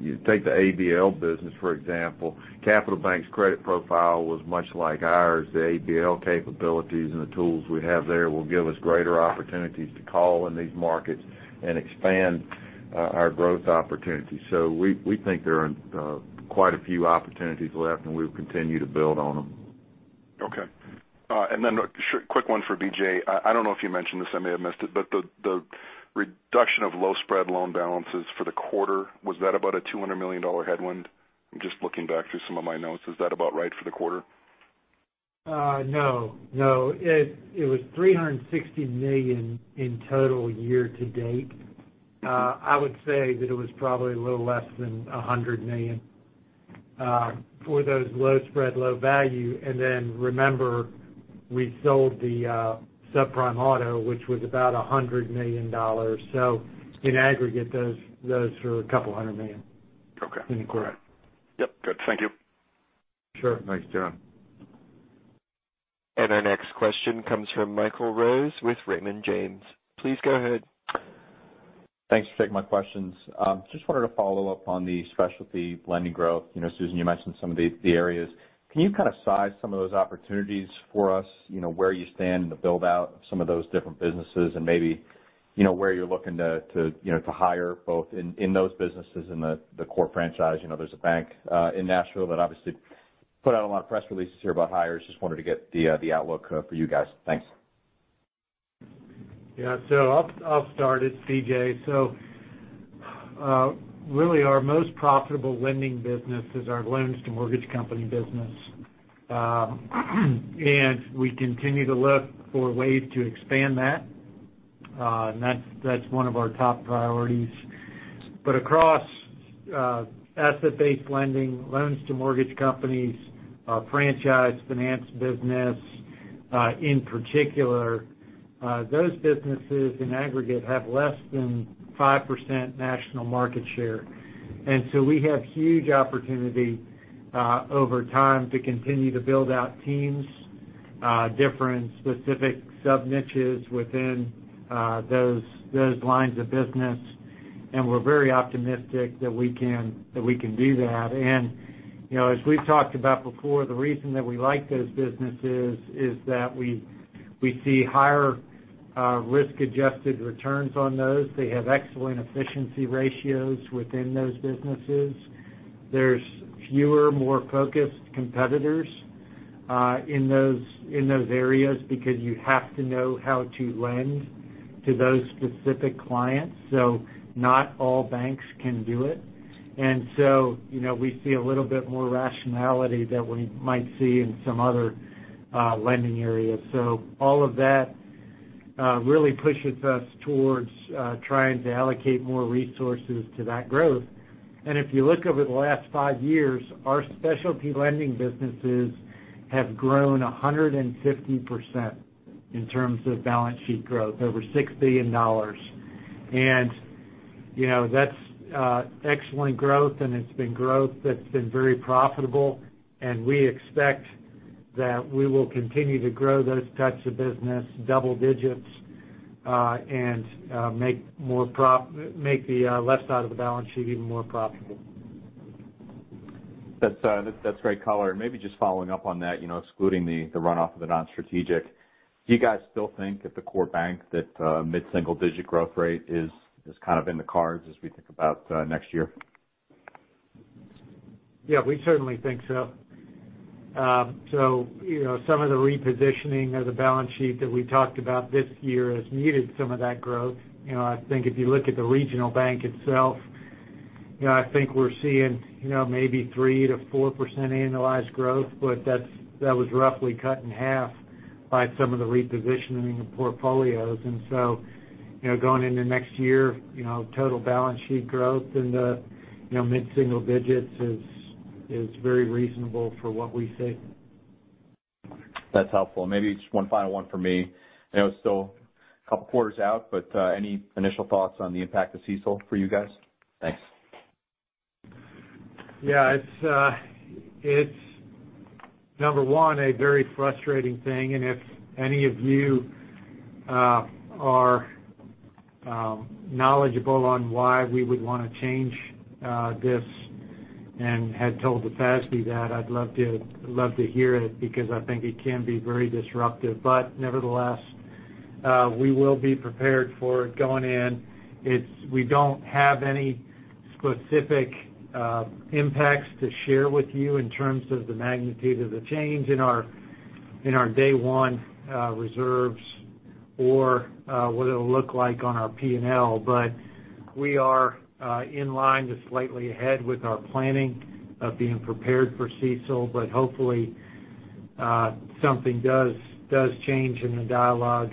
You take the ABL business, for example. Capital Bank's credit profile was much like ours. The ABL capabilities and the tools we have there will give us greater opportunities to call in these markets and expand our growth opportunities. We think there are quite a few opportunities left, and we'll continue to build on them. Okay. Then a quick one for BJ. I don't know if you mentioned this, I may have missed it, but the reduction of low spread loan balances for the quarter, was that about a $200 million headwind? I'm just looking back through some of my notes. Is that about right for the quarter? No. It was $360 million in total year to date. I would say that it was probably a little less than $100 million for those low spread low value. Then remember, we sold the subprime auto, which was about $100 million. In aggregate, those are a couple hundred million. Okay. In the quarter. Yep, good. Thank you. Sure. Thanks, Jon. Our next question comes from Michael Rose with Raymond James. Please go ahead. Thanks for taking my questions. Just wanted to follow up on the specialty lending growth. Susan, you mentioned some of the areas. Can you kind of size some of those opportunities for us, where you stand in the build-out of some of those different businesses and maybe where you're looking to hire both in those businesses, in the core franchise? There's a bank in Nashville that obviously put out a lot of press releases here about hires. Just wanted to get the outlook for you guys. Thanks. I'll start. It's BJ. Really our most profitable lending business is our loans to mortgage company business. We continue to look for ways to expand that. That's one of our top priorities. Across asset-based lending, loans to mortgage companies, franchise finance business in particular, those businesses in aggregate have less than 5% national market share. We have huge opportunity over time to continue to build out teams, different specific sub-niches within those lines of business. We're very optimistic that we can do that. As we've talked about before, the reason that we like those businesses is that we see higher risk-adjusted returns on those. They have excellent efficiency ratios within those businesses. There's fewer, more focused competitors in those areas because you have to know how to lend to those specific clients. Not all banks can do it. We see a little bit more rationality than we might see in some other lending areas. All of that really pushes us towards trying to allocate more resources to that growth. If you look over the last five years, our specialty lending businesses have grown 150% in terms of balance sheet growth, over $6 billion. That's excellent growth, and it's been growth that's been very profitable, and we expect that we will continue to grow those types of business double digits, and make the left side of the balance sheet even more profitable. That's great color. Maybe just following up on that, excluding the runoff of the non-strategic, do you guys still think at the core bank that mid-single digit growth rate is kind of in the cards as we think about next year? Yeah, we certainly think so. Some of the repositioning of the balance sheet that we talked about this year has needed some of that growth. I think if you look at the regional bank itself, I think we're seeing maybe 3%-4% annualized growth, but that was roughly cut in half by some of the repositioning of portfolios. Going into next year, total balance sheet growth in the mid-single digits is very reasonable for what we see. That's helpful. Maybe just one final one for me. I know it's still a couple of quarters out, but any initial thoughts on the impact of CECL for you guys? Thanks. Yeah. It's number one, a very frustrating thing, and if any of you are knowledgeable on why we would want to change this and had told the FASB that, I'd love to hear it because I think it can be very disruptive. Nevertheless, we will be prepared for it going in. We don't have any specific impacts to share with you in terms of the magnitude of the change in our day one reserves or what it'll look like on our P&L. We are in line to slightly ahead with our planning of being prepared for CECL. Hopefully, something does change and the dialogue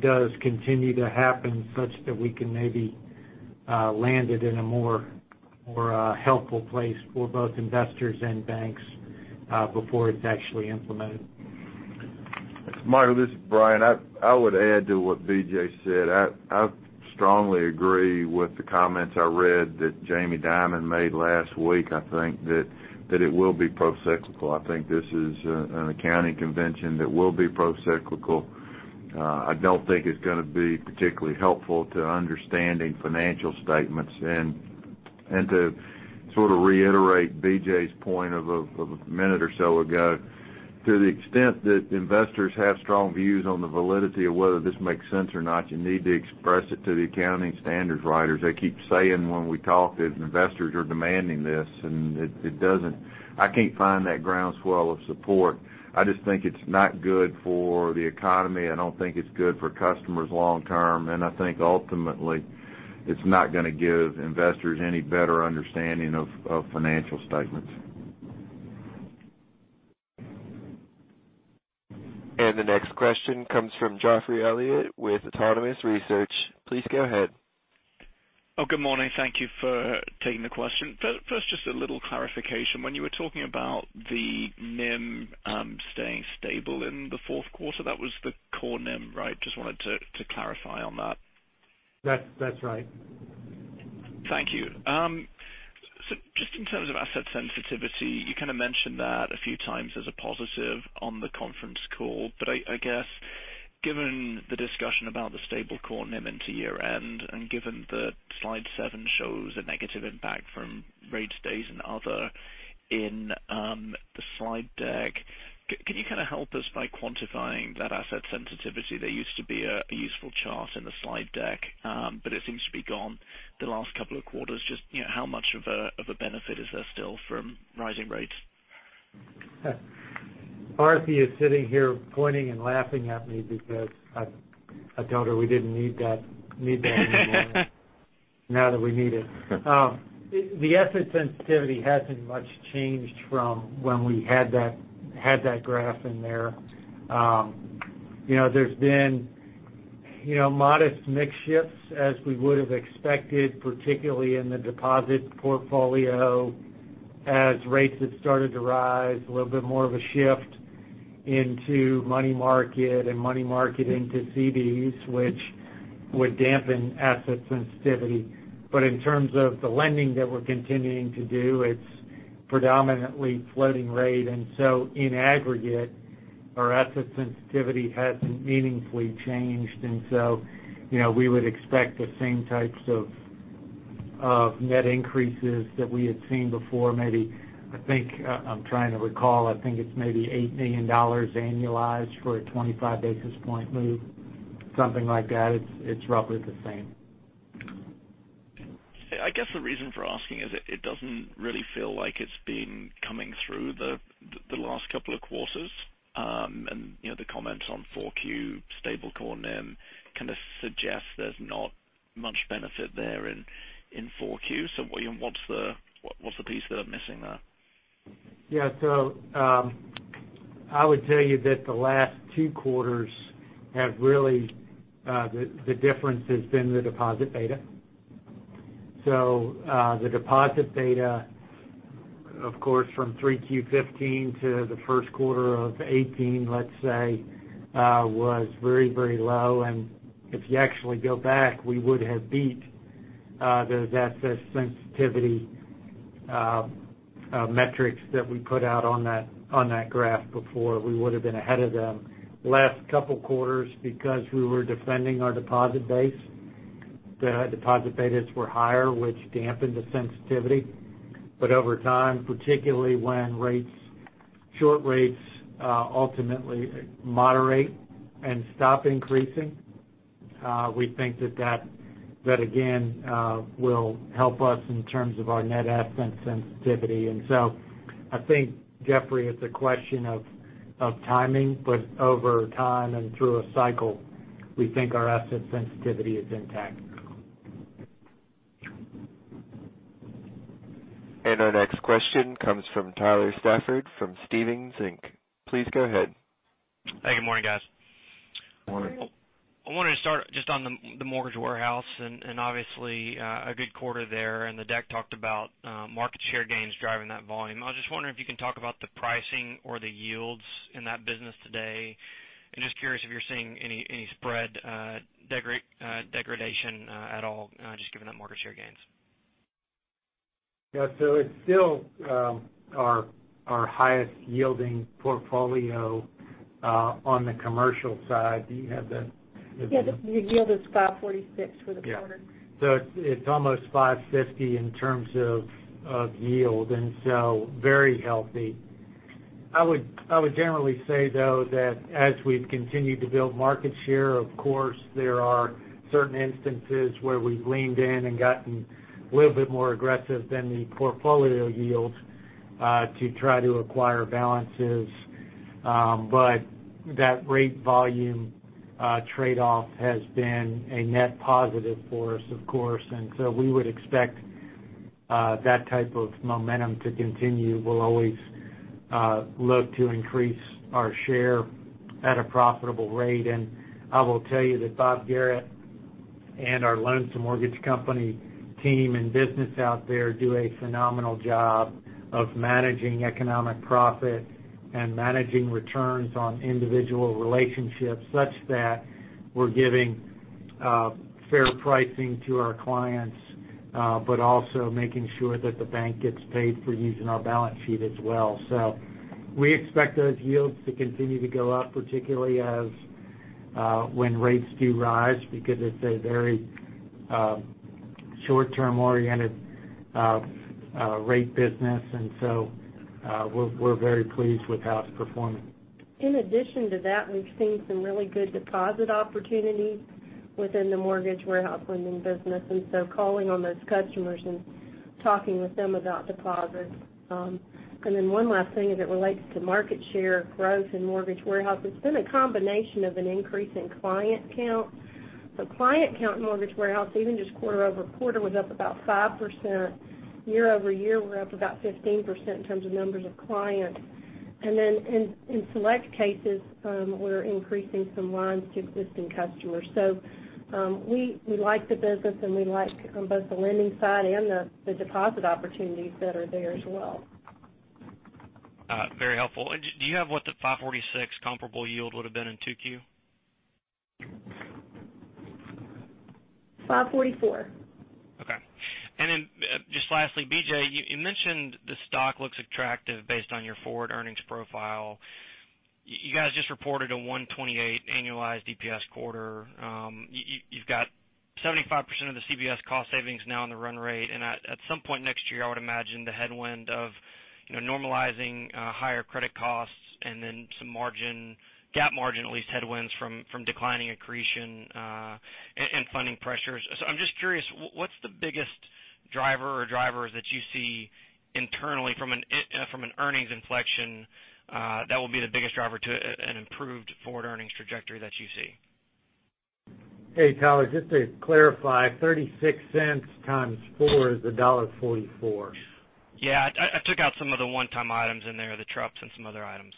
does continue to happen such that we can maybe land it in a more helpful place for both investors and banks before it's actually implemented. Michael, this is Bryan. I would add to what BJ said. I strongly agree with the comments I read that Jamie Dimon made last week. I think that it will be procyclical. I think this is an accounting convention that will be procyclical. I don't think it's going to be particularly helpful to understanding financial statements. To sort of reiterate BJ's point of a minute or so ago, to the extent that investors have strong views on the validity of whether this makes sense or not, you need to express it to the accounting standards writers. They keep saying when we talk that investors are demanding this, I can't find that groundswell of support. I just think it's not good for the economy. I don't think it's good for customers long term. I think ultimately, it's not going to give investors any better understanding of financial statements. The next question comes from Geoffrey Elliott with Autonomous Research. Please go ahead. Good morning. Thank you for taking the question. Just a little clarification. When you were talking about the NIM staying stable in the fourth quarter, that was the core NIM, right? Just wanted to clarify on that. That's right. Thank you. Just in terms of asset sensitivity, you kind of mentioned that a few times as a positive on the conference call. I guess given the discussion about the stable core NIM into year-end, and given that slide seven shows a negative impact from rate stays and other in the slide deck, can you kind of help us by quantifying that asset sensitivity? There used to be a useful chart in the slide deck, but it seems to be gone the last couple of quarters. Just how much of a benefit is there still from rising rates? Aarti is sitting here pointing and laughing at me because I told her we didn't need that anymore, now that we need it. The asset sensitivity hasn't much changed from when we had that graph in there. There's been modest mix shifts as we would've expected, particularly in the deposit portfolio as rates have started to rise, a little bit more of a shift into money market and money market into CDs, which would dampen asset sensitivity. In terms of the lending that we're continuing to do, it's predominantly floating rate. In aggregate, our asset sensitivity hasn't meaningfully changed. We would expect the same types of net increases that we had seen before, maybe, I think, I'm trying to recall, I think it's maybe $8 million annualized for a 25 basis point move, something like that. It's roughly the same. I guess the reason for asking is it doesn't really feel like it's been coming through the last couple of quarters. The comments on 4Q stable core NIM kind of suggest there's not much benefit there in 4Q. What's the piece that I'm missing there? Yeah. I would tell you that the last two quarters have really the difference has been the deposit beta. The deposit beta, of course, from Q3 2015 to the first quarter of 2018, let's say, was very low. If you actually go back, we would have beat those asset sensitivity metrics that we put out on that graph before. We would've been ahead of them. Last couple quarters, because we were defending our deposit base, the deposit betas were higher, which dampened the sensitivity. Over time, particularly when short rates ultimately moderate and stop increasing, we think that again, will help us in terms of our net asset sensitivity. I think, Geoffrey, it's a question of timing, but over time and through a cycle, we think our asset sensitivity is intact. Our next question comes from Tyler Stafford from Stephens Inc. Please go ahead. Hey, good morning, guys. Morning. I wanted to start just on the Mortgage Warehouse, obviously, a good quarter there, the deck talked about market share gains driving that volume. I was just wondering if you can talk about the pricing or the yields in that business today. Just curious if you're seeing any spread degradation at all, just given that market share gains. Yeah. It's still our highest yielding portfolio on the commercial side. Do you have the- Yeah. The yield is 546 for the quarter. Yeah. It's almost 550 in terms of yield, and so very healthy. I would generally say though that as we've continued to build market share, of course, there are certain instances where we've leaned in and gotten a little bit more aggressive than the portfolio yields, to try to acquire balances. That rate volume trade-off has been a net positive for us, of course. We would expect that type of momentum to continue. We'll always look to increase our share at a profitable rate. I will tell you that Bob Garrett and our loans and mortgage company team and business out there do a phenomenal job of managing economic profit and managing returns on individual relationships, such that we're giving fair pricing to our clients, but also making sure that the bank gets paid for using our balance sheet as well. We expect those yields to continue to go up, particularly as when rates do rise, because it's a very short-term oriented rate business. We're very pleased with how it's performing. In addition to that, we've seen some really good deposit opportunities within the Mortgage Warehouse Lending business, and so calling on those customers and talking with them about deposits. One last thing as it relates to market share growth in Mortgage Warehouse, it's been a combination of an increase in client count. Client count in Mortgage Warehouse, even just quarter-over-quarter, was up about 5%. Year-over-year, we're up about 15% in terms of numbers of clients. In select cases, we're increasing some lines to existing customers. We like the business and we like both the lending side and the deposit opportunities that are there as well. Very helpful. Do you have what the 546 comparable yield would've been in 2Q? 544. Okay. Just lastly, BJ, you mentioned the stock looks attractive based on your forward earnings profile. You guys just reported a 128 annualized DPS quarter. You've got 75% of the Capital Bank cost savings now in the run rate. At some point next year, I would imagine the headwind of normalizing higher credit costs and then some GAAP margin, at least headwinds from declining accretion, and funding pressures. I'm just curious, what's the biggest driver or drivers that you see internally from an earnings inflection, that will be the biggest driver to an improved forward earnings trajectory that you see? Hey, Tyler, just to clarify, $0.36 times four is $1.44. Yeah, I took out some of the one-time items in there, the trucks and some other items.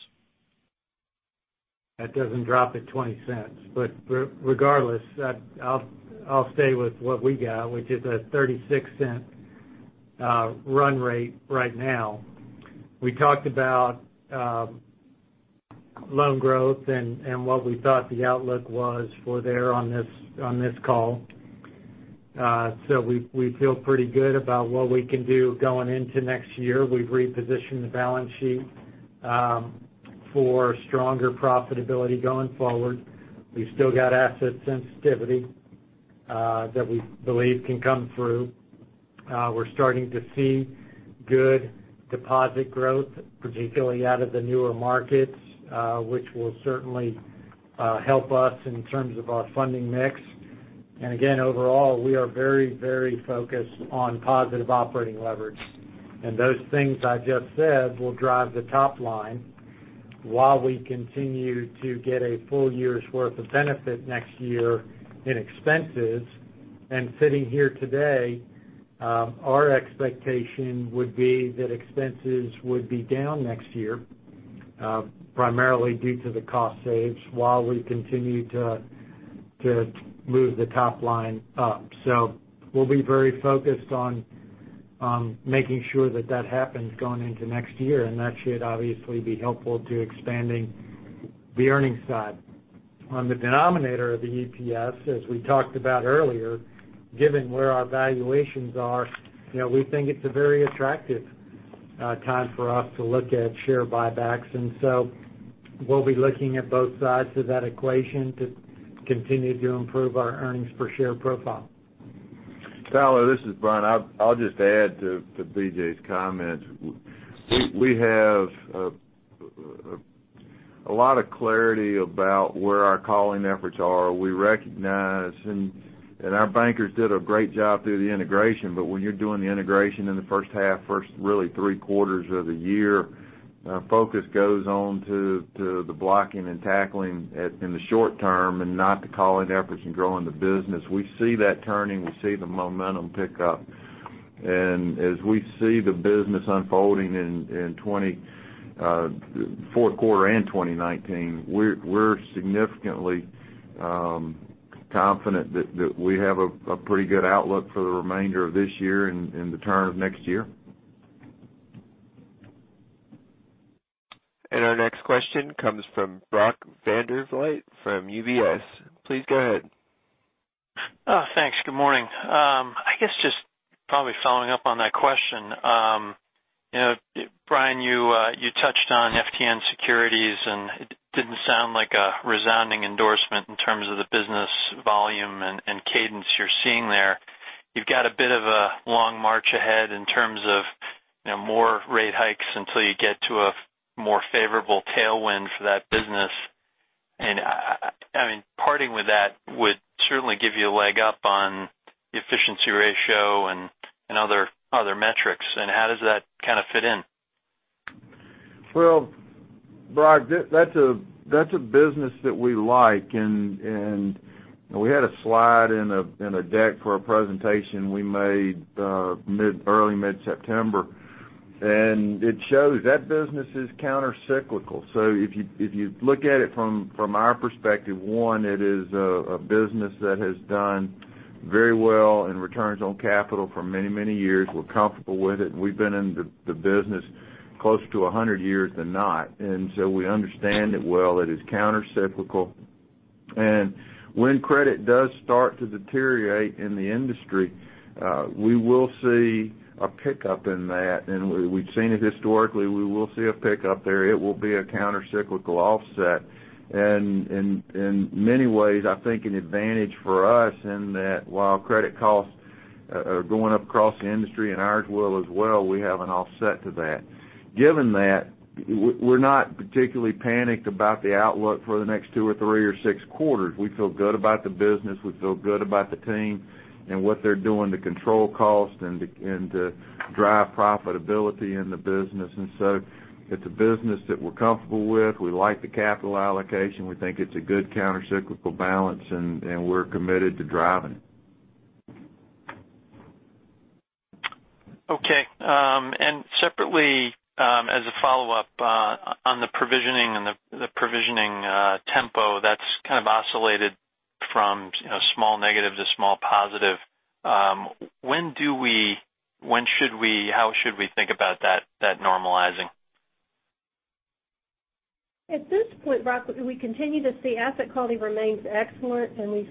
That doesn't drop it $0.20. Regardless, I'll stay with what we got, which is a $0.36 run rate right now. We talked about loan growth and what we thought the outlook was for there on this call. We feel pretty good about what we can do going into next year. We've repositioned the balance sheet for stronger profitability going forward. We've still got asset sensitivity that we believe can come through. We're starting to see good deposit growth, particularly out of the newer markets, which will certainly help us in terms of our funding mix. Again, overall, we are very focused on positive operating leverage. Those things I just said will drive the top line while we continue to get a full year's worth of benefit next year in expenses. Sitting here today, our expectation would be that expenses would be down next year, primarily due to the cost saves while we continue to move the top line up. We'll be very focused on making sure that that happens going into next year, and that should obviously be helpful to expanding the earnings side. On the denominator of the EPS, as we talked about earlier, given where our valuations are, we think it's a very attractive time for us to look at share buybacks. We'll be looking at both sides of that equation to continue to improve our earnings per share profile. Tyler, this is Bryan. I'll just add to BJ's comment. We have a lot of clarity about where our calling efforts are. We recognize, and our bankers did a great job through the integration, but when you're doing the integration in the first half, first really three quarters of the year, focus goes on to the blocking and tackling in the short term and not the calling efforts and growing the business. We see that turning, we see the momentum pick up. As we see the business unfolding in fourth quarter and 2019, we're significantly confident that we have a pretty good outlook for the remainder of this year and the turn of next year. Our next question comes from Brock Vandervliet from UBS. Please go ahead. Thanks. Good morning. I guess just probably following up on that question. Byian, you touched on FHN Financial, and it didn't sound like a resounding endorsement in terms of the business volume and cadence you're seeing there. You've got a bit of a long march ahead in terms of more rate hikes until you get to a more favorable tailwind for that business. Parting with that would certainly give you a leg up on the efficiency ratio and other metrics. How does that kind of fit in? Well, Brock, that's a business that we like. We had a slide in a deck for a presentation we made early-mid September, and it shows that business is countercyclical. If you look at it from our perspective, one, it is a business that has done very well in returns on capital for many, many years. We're comfortable with it, and we've been in the business close to 100 years than not. We understand it well. It is countercyclical, and when credit does start to deteriorate in the industry, we will see a pickup in that. We've seen it historically. We will see a pickup there. It will be a countercyclical offset. In many ways, I think an advantage for us in that while credit costs are going up across the industry, and ours will as well, we have an offset to that. Given that, we're not particularly panicked about the outlook for the next two or three or six quarters. We feel good about the business, we feel good about the team and what they're doing to control cost and to drive profitability in the business. It's a business that we're comfortable with. We like the capital allocation. We think it's a good countercyclical balance, and we're committed to driving it. Okay. Separately, as a follow-up, on the provisioning and the provisioning tempo that's kind of oscillated from small negative to small positive, when should we, how should we think about that normalizing? At this point, Brock, we continue to see asset quality remains excellent, and we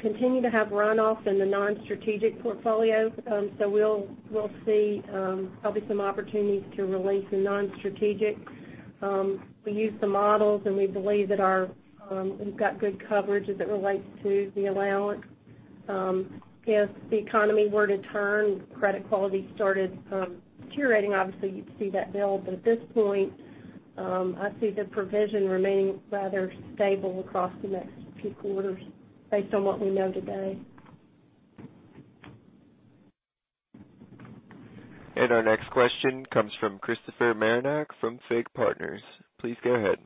continue to have runoff in the non-strategic portfolio. We'll see probably some opportunities to release in non-strategic. We use the models, and we believe that we've got good coverage as it relates to the allowance. If the economy were to turn, credit quality started deteriorating, obviously, you'd see that build. At this point, I see the provision remaining rather stable across the next few quarters based on what we know today. Our next question comes from Chris Marinac from FIG Partners. Please go ahead.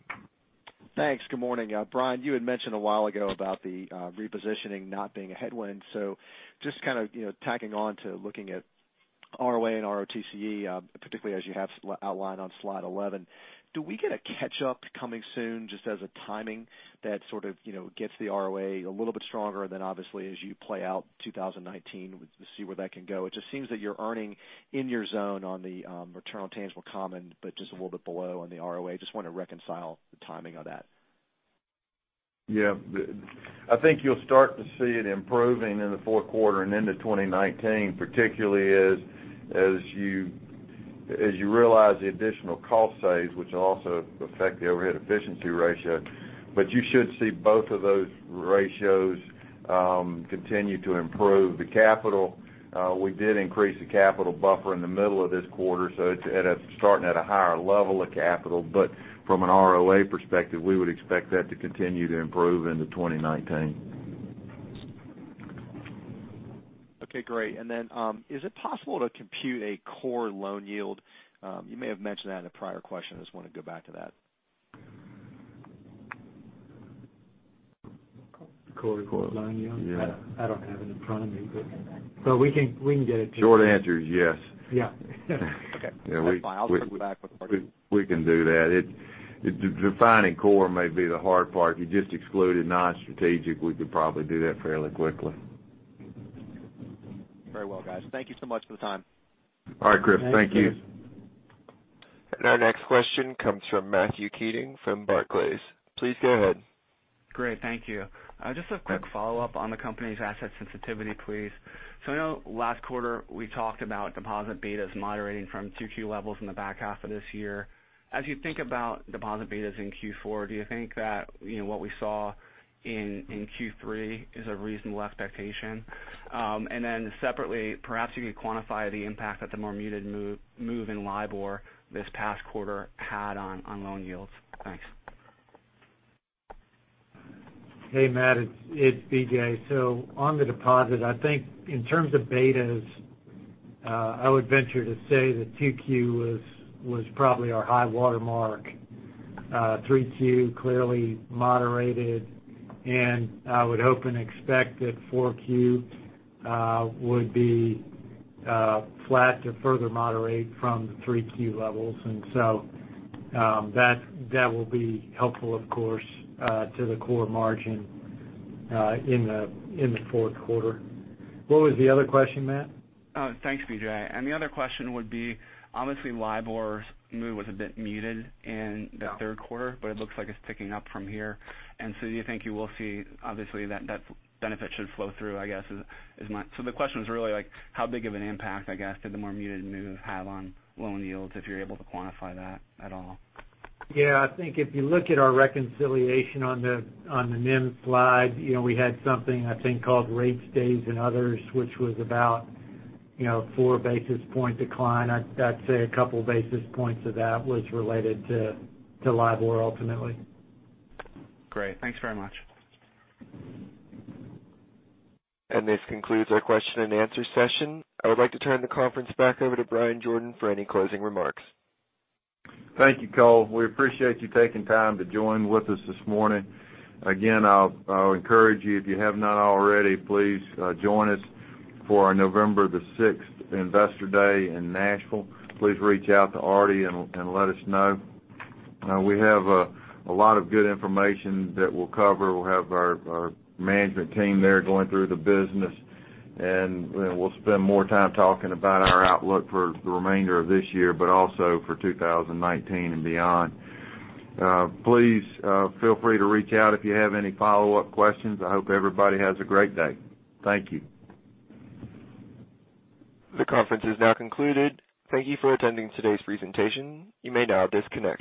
Thanks. Good morning. Bryan, you had mentioned a while ago about the repositioning not being a headwind. Just tacking on to looking at ROA and ROTCE, particularly as you have outlined on slide 11, do we get a catch-up coming soon, just as a timing that sort of gets the ROA a little bit stronger then obviously as you play out 2019, to see where that can go? It just seems that you're earning in your zone on the return on tangible common but just a little bit below on the ROA. I just want to reconcile the timing of that. Yeah. I think you'll start to see it improving in the fourth quarter and into 2019, particularly as you realize the additional cost saves, which will also affect the overhead efficiency ratio. You should see both of those ratios continue to improve. The capital, we did increase the capital buffer in the middle of this quarter, so it's starting at a higher level of capital. From an ROA perspective, we would expect that to continue to improve into 2019. Okay, great. Then, is it possible to compute a core loan yield? You may have mentioned that in a prior question. I just want to go back to that. Core loan yield? Yeah. I don't have it in front of me, we can get it to you. Short answer is yes. Yeah. Okay, that's fine. I'll circle back. We can do that. Defining core may be the hard part. You just exclude it non-strategic, we could probably do that fairly quickly. Very well, guys. Thank you so much for the time. All right, Chris. Thank you. Our next question comes from Matthew Keating from Barclays. Please go ahead. Great. Thank you. Just a quick follow-up on the company's asset sensitivity, please. I know last quarter we talked about deposit betas moderating from 2Q levels in the back half of this year. As you think about deposit betas in Q4, do you think that what we saw in Q3 is a reasonable expectation? Separately, perhaps you could quantify the impact that the more muted move in LIBOR this past quarter had on loan yields. Thanks. Hey, Matt, it's BJ. On the deposit, I think in terms of betas, I would venture to say that 2Q was probably our high watermark. 3Q clearly moderated, I would hope and expect that 4Q would be flat to further moderate from the 3Q levels. That will be helpful, of course, to the core margin, in the fourth quarter. What was the other question, Matt? Oh, thanks, BJ. The other question would be, obviously, LIBOR's move was a bit muted in the third quarter. Yeah. It looks like it's picking up from here. Do you think you will see, obviously, that benefit should flow through, I guess, how big of an impact, I guess, did the more muted move have on loan yields, if you're able to quantify that at all? Yeah, I think if you look at our reconciliation on the NIM slide, we had something, I think, called rates, days and others, which was about four basis point decline. I'd say a couple basis points of that was related to LIBOR ultimately. Great. Thanks very much. This concludes our question and answer session. I would like to turn the conference back over to Bryan Jordan for any closing remarks. Thank you, Cole. We appreciate you taking time to join with us this morning. Again, I would encourage you, if you have not already, please join us for our November the 6th Investor Day in Nashville. Please reach out to Aarti and let us know. We have a lot of good information that we'll cover. We'll have our management team there going through the business, and we'll spend more time talking about our outlook for the remainder of this year, but also for 2019 and beyond. Please feel free to reach out if you have any follow-up questions. I hope everybody has a great day. Thank you. The conference is now concluded. Thank you for attending today's presentation. You may now disconnect.